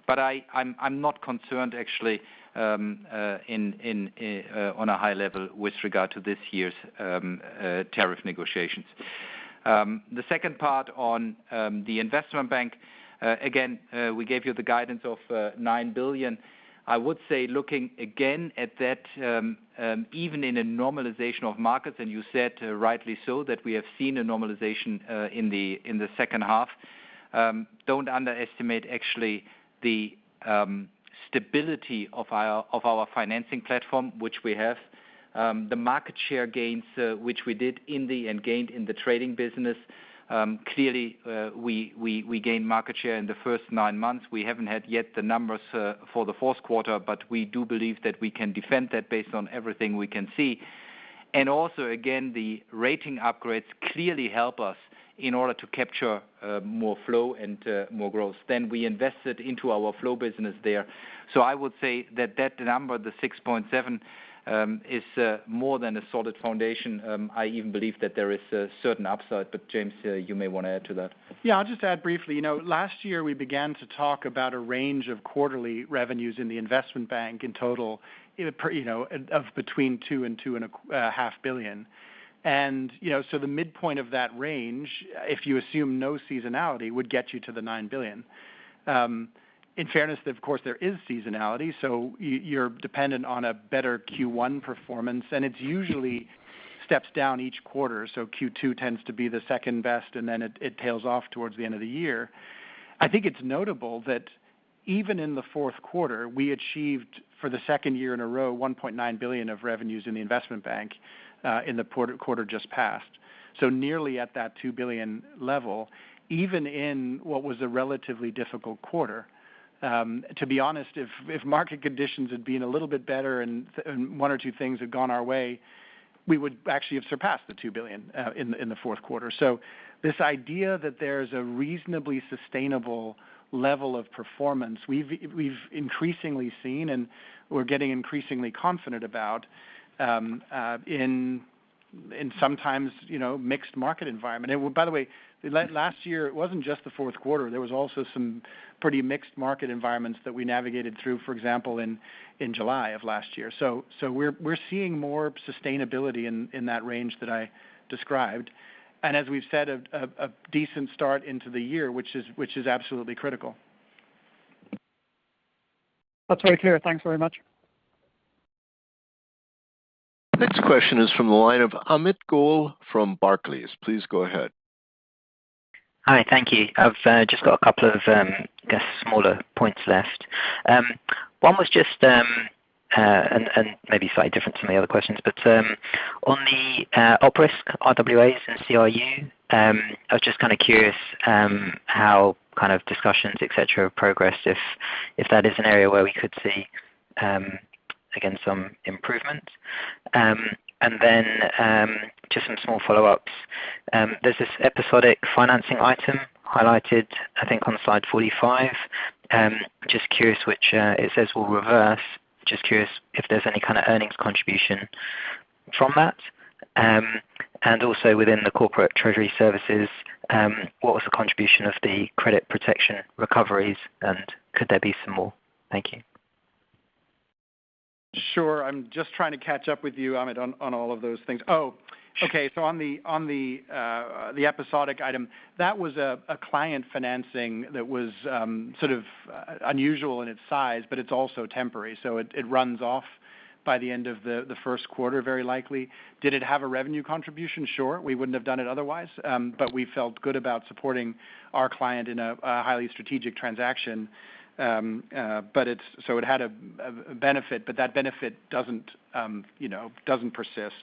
S3: But I'm not concerned actually on a high level with regard to this year's tariff negotiations. The second part on the investment bank, again, we gave you the guidance of 9 billion. I would say looking again at that, even in a normalization of markets, and you said rightly so, that we have seen a normalization in the H2. Don't underestimate actually the stability of our financing platform, which we have. The market share gains which we gained in the trading business. Clearly, we gained market share in the first nine months. We haven't had yet the numbers for the Q4, but we do believe that we can defend that based on everything we can see. Also, again, the rating upgrades clearly help us in order to capture more flow and more growth than we invested into our flow business there. I would say that number, the 6.7, is more than a solid foundation. I even believe that there is a certain upside, but James, you may wanna add to that.
S4: Yeah, I'll just add briefly. You know, last year we began to talk about a range of quarterly revenues in the Investment Bank in total of between 2 billion and EUR 2.5 billion. You know, the midpoint of that range, if you assume no seasonality, would get you to 9 billion. In fairness, of course, there is seasonality, you're dependent on a better Q1 performance, and it's usually steps down each quarter. Q2 tends to be the second best, and then it tails off towards the end of the year. I think it's notable that even in the Q4, we achieved for the second year in a row, 1.9 billion of revenues in the Investment Bank in the quarter just passed. Nearly at that 2 billion level, even in what was a relatively difficult quarter. To be honest, if market conditions had been a little bit better and one or two things had gone our way, we would actually have surpassed the 2 billion in the Q4. This idea that there's a reasonably sustainable level of performance, we've increasingly seen and we're getting increasingly confident about in sometimes, you know, mixed market environment. By the way, last year it wasn't just the Q4. There was also some pretty mixed market environments that we navigated through, for example, in July of last year. We're seeing more sustainability in that range that I described. As we've said, a decent start into the year, which is absolutely critical.
S13: That's very clear. Thanks very much.
S1: Next question is from the line of Amit Goel from Barclays. Please go ahead.
S14: Hi. Thank you. I've just got a couple of, I guess, smaller points left. One was just and maybe slightly different from the other questions, but on the op risk RWAs and CRU, I was just kinda curious how kind of discussions, et cetera, have progressed, if that is an area where we could see again some improvement. Just some small follow-ups. There's this episodic financing item highlighted, I think on slide 45. Just curious which it says will reverse. Just curious if there's any kind of earnings contribution from that. Also within the corporate treasury services, what was the contribution of the credit protection recoveries, and could there be some more? Thank you.
S4: Sure. I'm just trying to catch up with you, Amit, on all of those things. Oh, okay. On the episodic item, that was a client financing that was sort of unusual in its size, but it's also temporary, so it runs off by the end of the Q1, very likely. Did it have a revenue contribution? Sure. We wouldn't have done it otherwise. But we felt good about supporting our client in a highly strategic transaction. But it's. It had a benefit, but that benefit doesn't, you know, persist.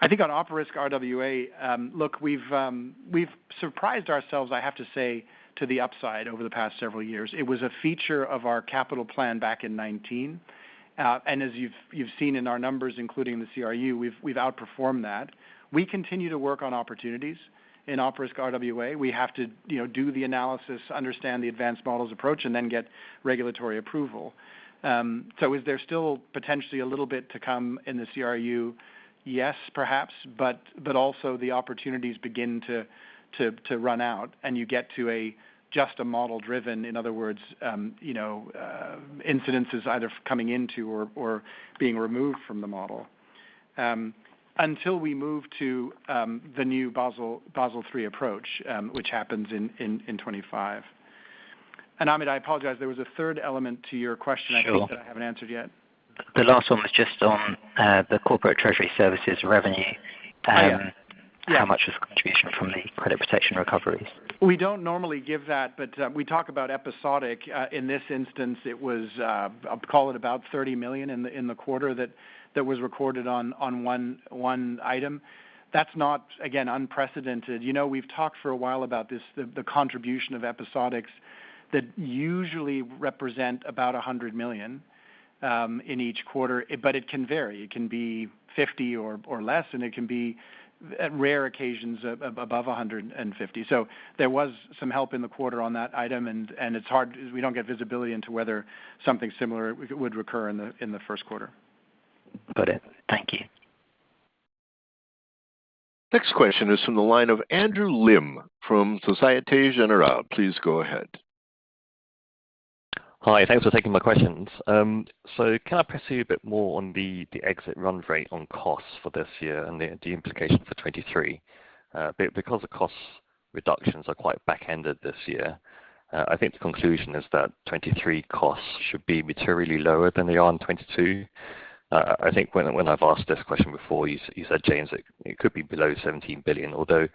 S4: I think on op risk RWA, look, we've surprised ourselves, I have to say, to the upside over the past several years. It was a feature of our capital plan back in 2019. As you've seen in our numbers including the CRU, we've outperformed that. We continue to work on opportunities in op risk RWA. We have to, you know, do the analysis, understand the advanced models approach, and then get regulatory approval. So is there still potentially a little bit to come in the CRU? Yes, perhaps, but also the opportunities begin to run out and you get to a just a model driven. In other words, you know, incidences either coming into or being removed from the model. Until we move to the new Basel III approach, which happens in 2025. Amit, I apologize, there was a third element to your question.
S14: Sure
S4: I think that I haven't answered yet.
S14: The last one was just on, the corporate treasury services revenue.
S4: Yeah.
S14: How much is the contribution from the credit protection recoveries?
S4: We don't normally give that, but we talk about episodic. In this instance, it was, I'll call it about 30 million in the quarter that was recorded on one item. That's not again unprecedented. You know, we've talked for a while about this, the contribution of episodics that usually represent about 100 million in each quarter, but it can vary. It can be 50 million or less, and it can be at rare occasions above 150 million. There was some help in the quarter on that item and it's hard. We don't get visibility into whether something similar would recur in the Q1.
S14: Brilliant. Thank you.
S1: Next question is from the line of Andrew Lim from Société Générale. Please go ahead.
S15: Hi. Thanks for taking my questions. So can I press you a bit more on the exit run rate on costs for this year and the implication for 2023? Because the cost reductions are quite back-ended this year, I think the conclusion is that 2023 costs should be materially lower than they are in 2022. I think when I've asked this question before, you said, James, it could be below 17 billion, although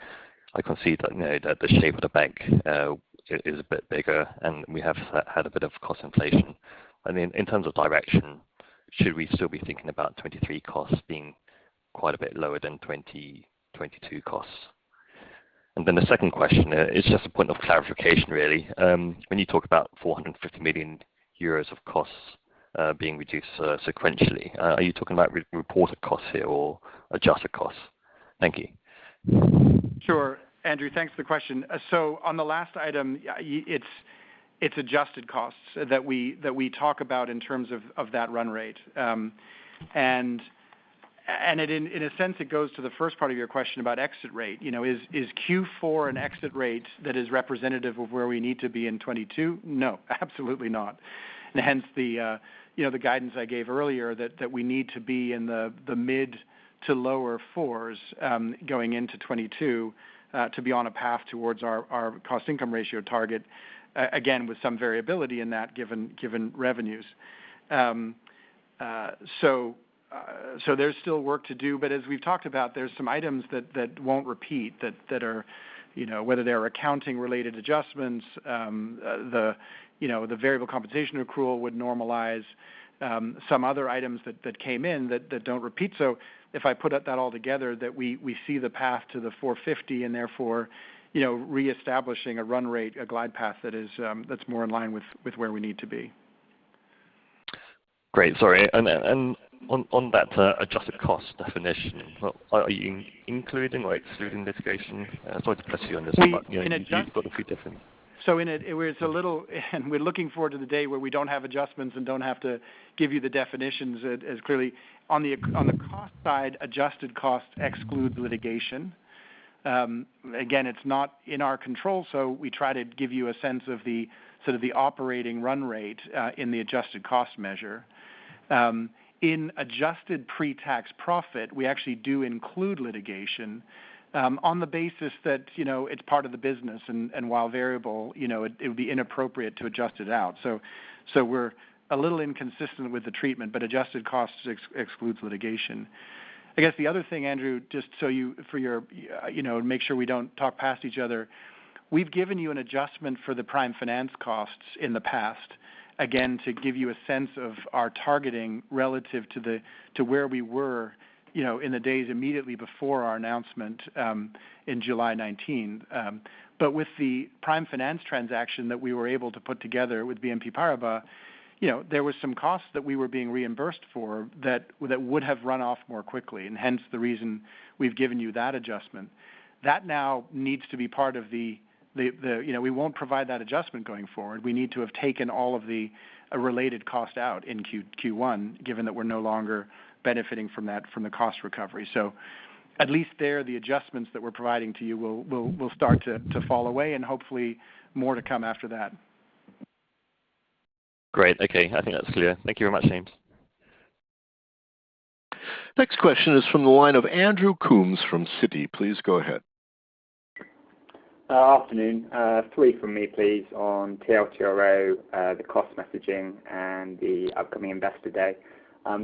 S15: I can see that, you know, the shape of the bank is a bit bigger, and we have had a bit of cost inflation. I mean, in terms of direction, should we still be thinking about 2023 costs being quite a bit lower than 2022 costs? Then the second question is just a point of clarification, really. When you talk about 450 million euros of costs being reduced sequentially, are you talking about re-reported costs here or adjusted costs? Thank you.
S4: Sure. Andrew, thanks for the question. On the last item, it's adjusted costs that we talk about in terms of that run rate. It, in a sense, goes to the first part of your question about exit rate. You know, is Q4 an exit rate that is representative of where we need to be in 2022? No, absolutely not. Hence, you know, the guidance I gave earlier that we need to be in the mid- to lower fours going into 2022 to be on a path towards our cost income ratio target, again, with some variability in that given revenues. There's still work to do, but as we've talked about, there's some items that won't repeat that are, you know, whether they're accounting related adjustments, you know, the variable compensation accrual would normalize, some other items that came in that don't repeat. If I put that all together, we see the path to the 450 and therefore, you know, reestablishing a run rate, a glide path that is more in line with where we need to be.
S15: Great. Sorry. On that adjusted cost definition, are you including or excluding litigation? Sorry to press you on this one.
S4: We-
S15: You've got a few different-
S4: We're looking forward to the day where we don't have adjustments and don't have to give you the definitions as clearly. On the cost side, adjusted cost excludes litigation. Again, it's not in our control, so we try to give you a sense of the sort of operating run rate in the adjusted cost measure. In adjusted pre-tax profit, we actually do include litigation on the basis that, you know, it's part of the business, and while variable, you know, it would be inappropriate to adjust it out. We're a little inconsistent with the treatment, but adjusted costs excludes litigation. I guess the other thing, Andrew, just so you know, to make sure we don't talk past each other. We've given you an adjustment for the Prime Finance costs in the past, again, to give you a sense of our targeting relative to where we were, you know, in the days immediately before our announcement in July 19. With the Prime Finance transaction that we were able to put together with BNP Paribas, you know, there was some costs that we were being reimbursed for that would have run off more quickly, and hence the reason we've given you that adjustment. That now needs to be part of the, you know, we won't provide that adjustment going forward. We need to have taken all of the related cost out in Q1, given that we're no longer benefiting from that, from the cost recovery. At least there, the adjustments that we're providing to you will start to fall away, and hopefully more to come after that.
S15: Great. Okay. I think that's clear. Thank you very much, James.
S1: Next question is from the line of Andrew Coombs from Citi. Please go ahead.
S16: Afternoon. Three from me, please, on TLTRO, the cost messaging, and the upcoming Investor Day.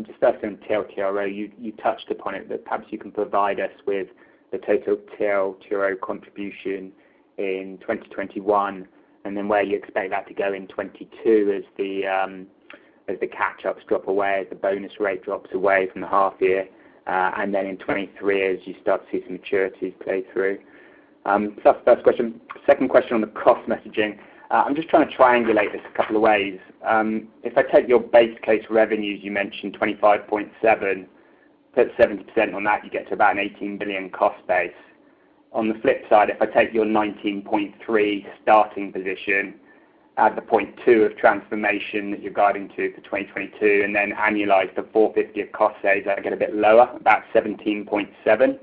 S16: Just first on TLTRO, you touched upon it, but perhaps you can provide us with the total TLTRO contribution in 2021, and then where you expect that to go in 2022 as the catch-ups drop away, the bonus rate drops away from the half year, and then in 2023 as you start to see some maturities play through. That's the first question. Second question on the cost messaging. I'm just trying to triangulate this a couple of ways. If I take your base case revenues, you mentioned 25.7 billion. Put 70% on that, you get to about an 18 billion cost base. On the flip side, if I take your 19.3 starting position, add the 0.2 of transformation that you're guiding to for 2022, and then annualize the 450 of cost savings, I get a bit lower, about 17.7.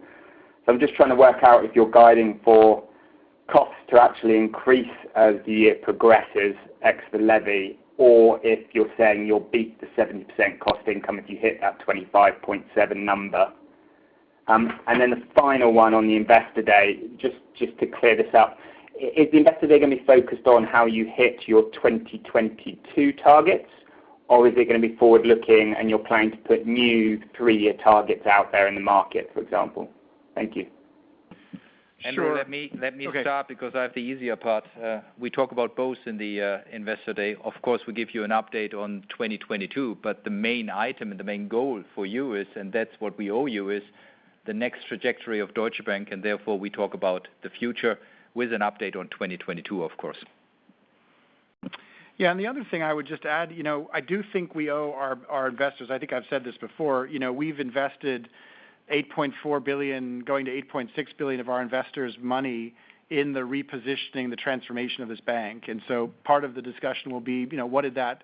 S16: I'm just trying to work out if you're guiding for costs to actually increase as the year progresses ex the levy, or if you're saying you'll beat the 70% cost income if you hit that 25.7 number. And then the final one on the Investor Day, just to clear this up, is the Investor Day gonna be focused on how you hit your 2022 targets or is it gonna be forward-looking and you're planning to put new three-year targets out there in the market, for example? Thank you.
S4: Sure.
S3: Andrew, let me.
S4: Okay.
S3: Let me start because I have the easier part. We talk about both in the Investor Day. Of course, we give you an update on 2022, but the main item and the main goal for you is, and that's what we owe you, is the next trajectory of Deutsche Bank, and therefore we talk about the future with an update on 2022, of course.
S4: Yeah, the other thing I would just add, you know, I do think we owe our investors, I think I've said this before, you know, we've invested 8.4 billion, going to 8.6 billion of our investors' money in the repositioning, the transformation of this bank. Part of the discussion will be, you know, what did that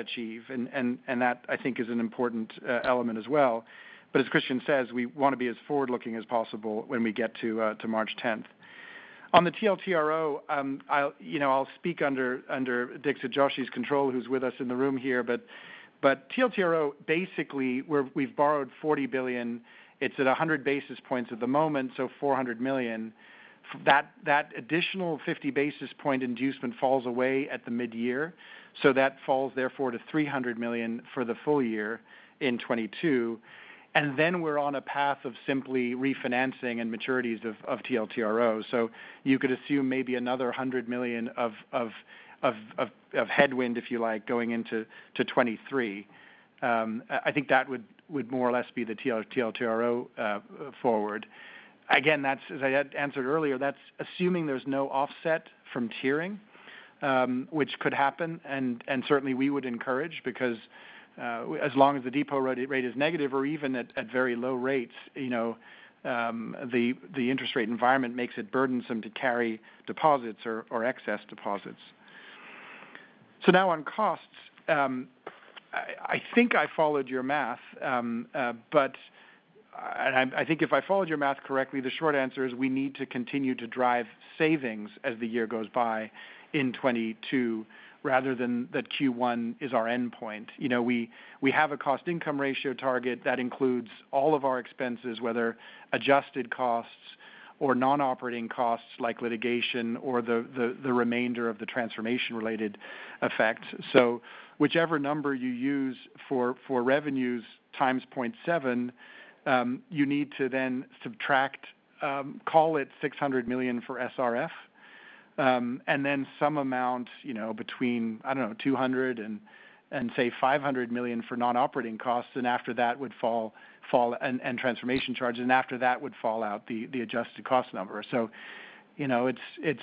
S4: achieve? And that, I think is an important element as well. But as Christian says, we wanna be as forward-looking as possible when we get to March 10. On the TLTRO, I'll speak under Dixit Joshi's control, who's with us in the room here. But TLTRO, basically we've borrowed 40 billion. It's at 100 basis points at the moment, so 400 million. That additional 50 basis point inducement falls away at the midyear. That falls therefore to 300 million for the full year in 2022. We're on a path of simply refinancing and maturities of TLTRO. You could assume maybe another 100 million of headwind, if you like, going into 2023. I think that would more or less be the TLTRO forward. Again, that's as I had answered earlier, that's assuming there's no offset from tiering, which could happen and certainly we would encourage because, as long as the deposit rate is negative or even at very low rates, you know, the interest rate environment makes it burdensome to carry deposits or excess deposits. Now on costs, I think I followed your math. I think if I followed your math correctly, the short answer is we need to continue to drive savings as the year goes by in 2022 rather than that Q1 is our endpoint. You know, we have a cost income ratio target that includes all of our expenses, whether adjusted costs or non-operating costs like litigation or the remainder of the transformation-related effects. So whichever number you use for revenues times 0.7, you need to then subtract call it 600 million for SRF and then some amount, you know, between, I don't know, 200 million and say 500 million for non-operating costs and transformation charges, and after that would fall out the adjusted cost number. You know, it's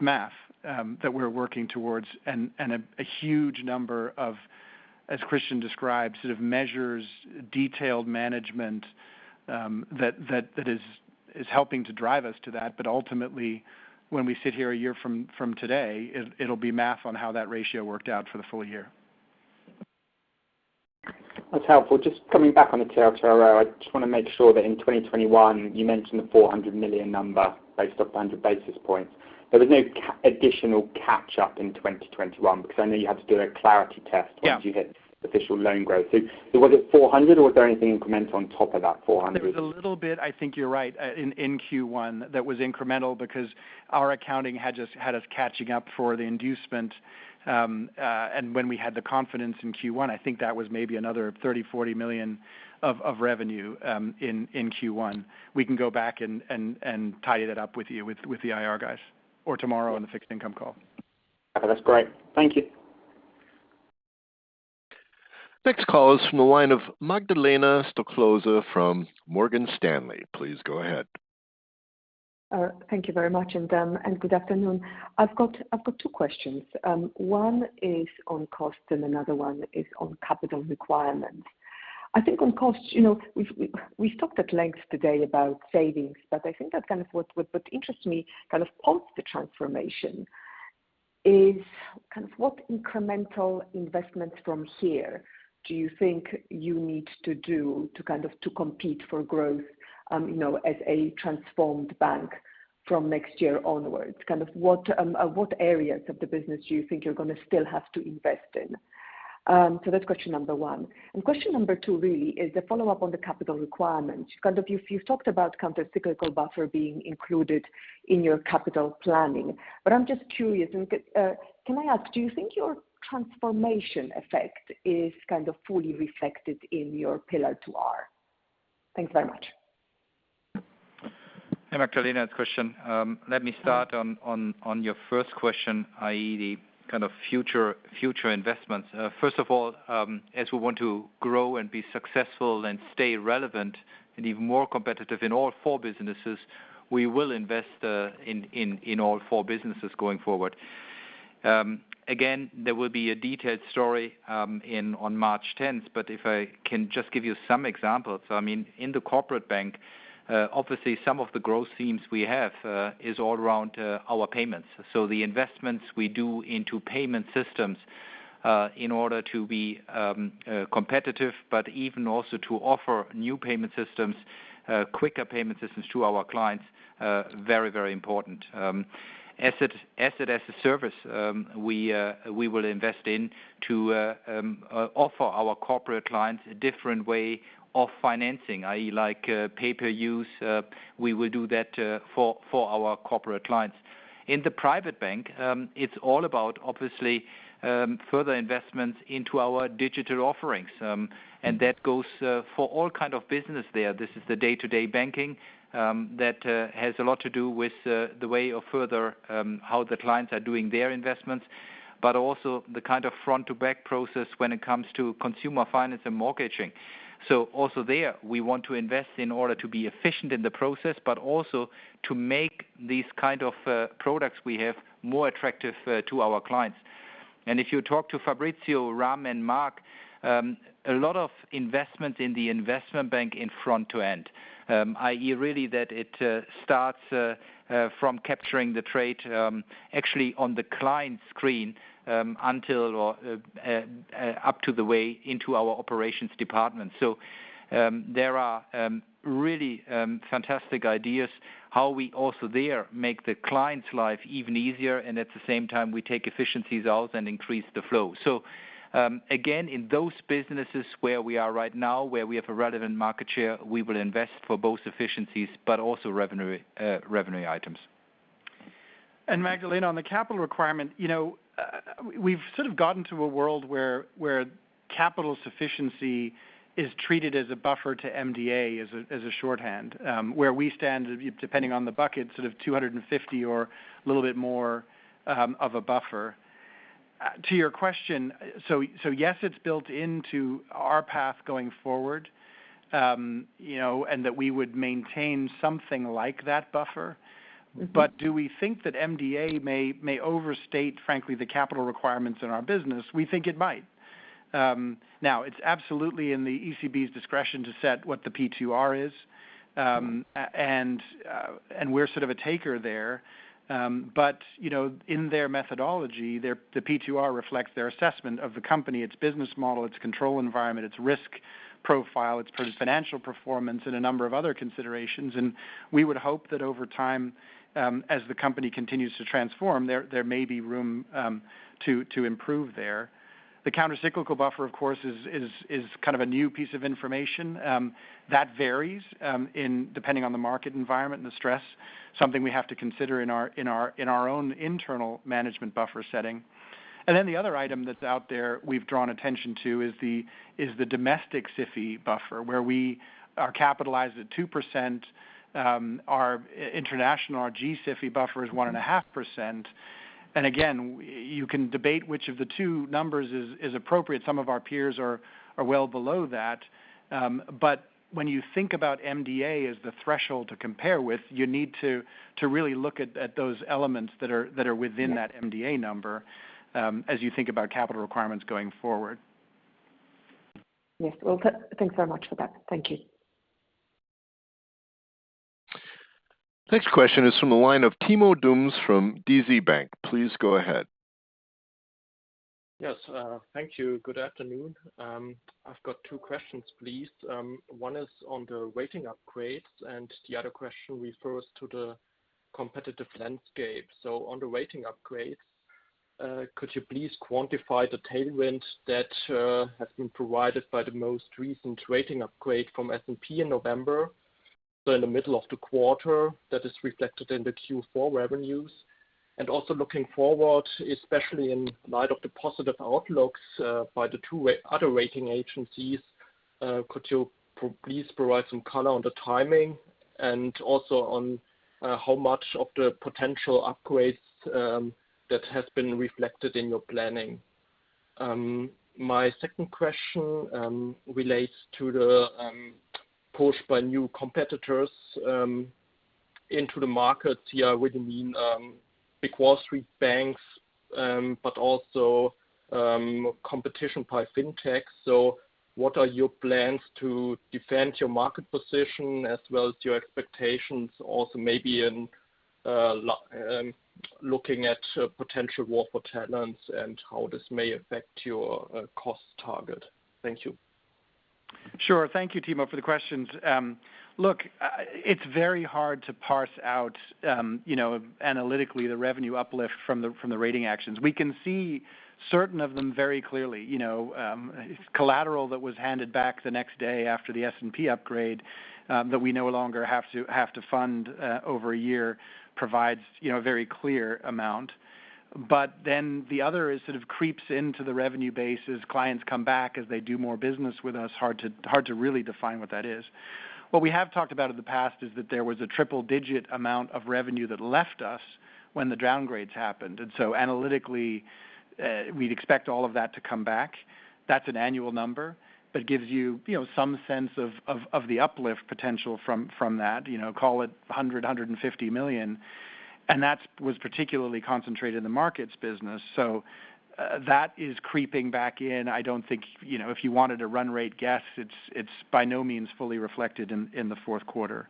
S4: math that we're working towards and a huge number of, as Christian described, sort of measures detailed management that is helping to drive us to that. But ultimately, when we sit here a year from today, it'll be math on how that ratio worked out for the full year.
S16: That's helpful. Just coming back on the TLTRO, I just wanna make sure that in 2021, you mentioned the 400 million number based off the 100 basis points. There was no additional catch-up in 2021 because I know you had to do a clarity test.
S4: Yeah.
S16: Once you hit official loan growth. Was it 400 or was there anything incremental on top of that 400?
S4: There was a little bit, I think you're right, in Q1 that was incremental because our accounting had just had us catching up for the inducement. When we had the confidence in Q1, I think that was maybe another 30 million-40 million of revenue in Q1. We can go back and tidy it up with you with the IR guys or tomorrow on the fixed income call.
S16: That's great. Thank you.
S1: Next call is from the line of Magdalena Stoklosa from Morgan Stanley. Please go ahead.
S17: Thank you very much and good afternoon. I've got two questions. One is on cost and another one is on capital requirement. I think on cost, you know, we've talked at length today about savings, but I think that kind of what interests me kind of post the transformation is kind of what incremental investments from here do you think you need to do to kind of, to compete for growth, you know, as a transformed bank from next year onwards? Kind of what areas of the business do you think you're gonna still have to invest in? So that's question number one. Question number two really is a follow-up on the capital requirement. Kind of you've talked about countercyclical buffer being included in your capital planning, but I'm just curious. Can I ask, do you think your transformation effect is kind of fully reflected in your Pillar2R? Thanks very much.
S3: Magdalena's question, let me start on your first question, i.e., the kind of future investments. First of all, as we want to grow and be successful and stay relevant and even more competitive in all four businesses, we will invest in all four businesses going forward. Again, there will be a detailed story on March tenth, but if I can just give you some examples, I mean, in the Corporate Bank, obviously some of the growth themes we have is all around our payments. So the investments we do into payment systems in order to be competitive, but even also to offer new payment systems, quicker payment systems to our clients, very important. Asset as a service, we will invest in to offer our corporate clients a different way of financing. I like pay-per-use. We will do that for our corporate clients. In the Private Bank, it's all about obviously further investments into our digital offerings. That goes for all kind of business there. This is the day-to-day banking that has a lot to do with the way of further how the clients are doing their investments, but also the kind of front-to-back process when it comes to consumer finance and mortgaging. Also there, we want to invest in order to be efficient in the process, but also to make these kind of products we have more attractive to our clients. If you talk to Fabrizio, Ram, and Mark, a lot of investments in the Investment Bank from front to end, i.e., really, it starts from capturing the trade actually on the client screen up to the way into our operations department. There are really fantastic ideas how we also there make the client's life even easier, and at the same time, we take efficiencies out and increase the flow. Again, in those businesses where we are right now, where we have a relevant market share, we will invest for both efficiencies, but also revenue items.
S4: Magdalena, on the capital requirement, you know, we've sort of gotten to a world where capital sufficiency is treated as a buffer to MDA as a shorthand, where we stand, depending on the bucket, sort of 250 or a little bit more of a buffer. To your question, yes, it's built into our path going forward, you know, and that we would maintain something like that buffer. Do we think that MDA may overstate, frankly, the capital requirements in our business? We think it might. It's absolutely in the ECB's discretion to set what the P2R is, and we're sort of a taker there. You know, in their methodology, the P2R reflects their assessment of the company, its business model, its control environment, its risk profile, its financial performance, and a number of other considerations. We would hope that over time, as the company continues to transform, there may be room to improve there. The countercyclical buffer, of course, is kind of a new piece of information that varies depending on the market environment and the stress, something we have to consider in our own internal management buffer setting. Then the other item that's out there we've drawn attention to is the domestic SIFI buffer, where we are capitalized at 2%, our international, our G-SIFI buffer is 1.5%. Again, you can debate which of the two numbers is appropriate. Some of our peers are well below that. But when you think about MDA as the threshold to compare with, you need to really look at those elements that are within that MDA number, as you think about capital requirements going forward.
S17: Yes. Well, thanks very much for that. Thank you.
S1: Next question is from the line of Timo Dums from DZ Bank. Please go ahead.
S18: Yes. Thank you. Good afternoon. I've got two questions, please. One is on the rating upgrades, and the other question refers to the competitive landscape. On the rating upgrades, could you please quantify the tailwind that has been provided by the most recent rating upgrade from S&P in November? In the middle of the quarter that is reflected in the Q4 revenues. Also looking forward, especially in light of the positive outlooks by the two other rating agencies, could you please provide some color on the timing and also on how much of the potential upgrades that has been reflected in your planning? My second question relates to the push by new competitors into the markets. Here I would mean big Wall Street banks, but also competition by fintech. What are your plans to defend your market position as well as your expectations also maybe in, looking at potential workforce talents and how this may affect your cost target? Thank you.
S4: Sure. Thank you, Timo, for the questions. Look, it's very hard to parse out, you know, analytically the revenue uplift from the rating actions. We can see certain of them very clearly. You know, collateral that was handed back the next day after the S&P upgrade, that we no longer have to fund over a year provides, you know, a very clear amount. But then the other is sort of creeps into the revenue base as clients come back as they do more business with us. Hard to really define what that is. What we have talked about in the past is that there was a triple digit amount of revenue that left us when the downgrades happened. Analytically, we'd expect all of that to come back. That's an annual number that gives you some sense of the uplift potential from that, call it 150 million. That was particularly concentrated in the markets business. That is creeping back in. I don't think if you wanted to run-rate guess it's by no means fully reflected in the Q4.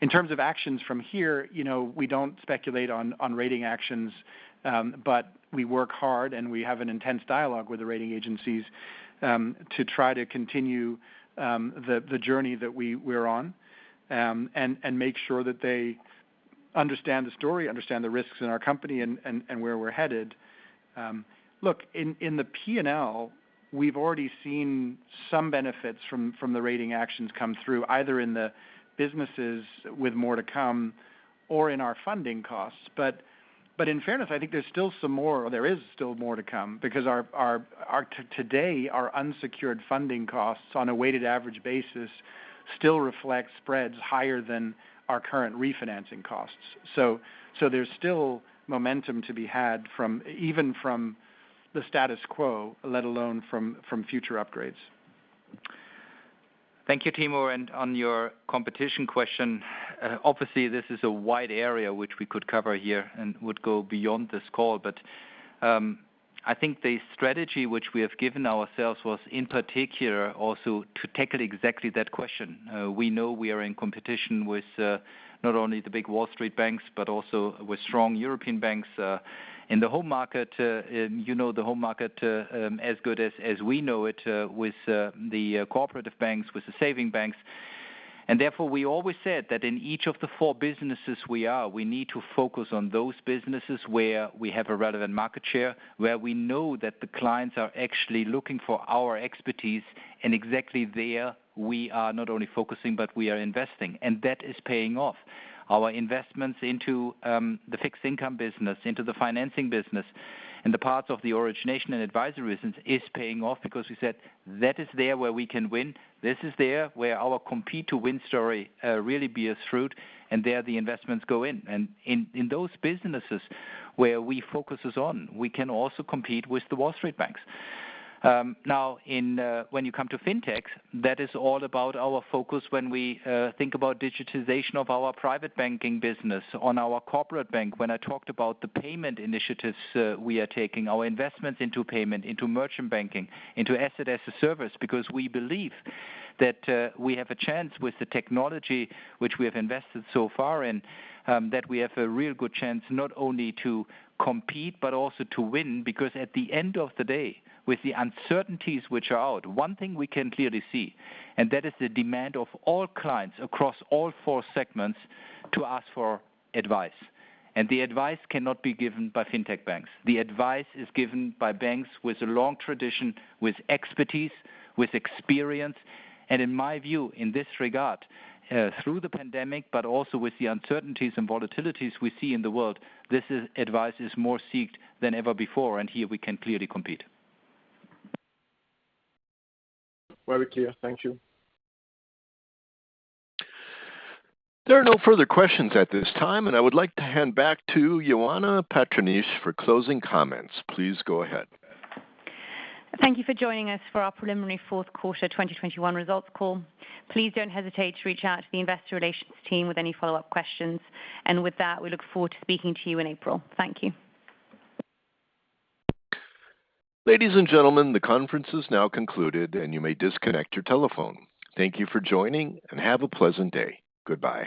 S4: In terms of actions from here, we don't speculate on rating actions, but we work hard, and we have an intense dialogue with the rating agencies, to try to continue the journey that we're on. Make sure that they understand the story, understand the risks in our company and where we're headed. Look, in the P&L we've already seen some benefits from the rating actions come through, either in the businesses with more to come or in our funding costs. In fairness, I think there's still some more or there is still more to come because today our unsecured funding costs on a weighted average basis still reflects spreads higher than our current refinancing costs. There's still momentum to be had from even from the status quo, let alone from future upgrades.
S3: Thank you, Timo. On your competition question, obviously this is a wide area which we could cover here and would go beyond this call. I think the strategy which we have given ourselves was in particular also to tackle exactly that question. We know we are in competition with not only the big Wall Street banks but also with strong European banks in the home market. In the home market, you know, as good as we know it, with the cooperative banks, with the savings banks. Therefore, we always said that in each of the four businesses we are, we need to focus on those businesses where we have a relevant market share, where we know that the clients are actually looking for our expertise. Exactly there we are not only focusing, but we are investing, and that is paying off. Our investments into the fixed income business, into the financing business, and the parts of the origination and advisory business is paying off because we said that is there where we can win. This is there where our Compete to Win story really bears fruit, and there the investments go in. In those businesses where we focuses on, we can also compete with the Wall Street banks. Now when you come to fintech, that is all about our focus when we think about digitization of our private banking business on our corporate bank. When I talked about the payment initiatives, we are taking our investments into payment, into merchant banking, into asset as a service because we believe that we have a chance with the technology which we have invested so far in that we have a real good chance not only to compete, but also to win. Because at the end of the day, with the uncertainties which are out, one thing we can clearly see, and that is the demand of all clients across all four segments to ask for advice. The advice cannot be given by fintech banks. The advice is given by banks with a long tradition, with expertise, with experience. In my view, in this regard, through the pandemic, but also with the uncertainties and volatilities we see in the world, advice is more sought than ever before, and here we can clearly compete.
S18: Very clear. Thank you.
S1: There are no further questions at this time, and I would like to hand back to Ioana Patriniche for closing comments. Please go ahead.
S2: Thank you for joining us for our preliminary Q4 2021 results call. Please don't hesitate to reach out to the investor relations team with any follow-up questions. With that, we look forward to speaking to you in April. Thank you.
S1: Ladies and gentlemen, the conference is now concluded, and you may disconnect your telephone. Thank you for joining, and have a pleasant day. Goodbye.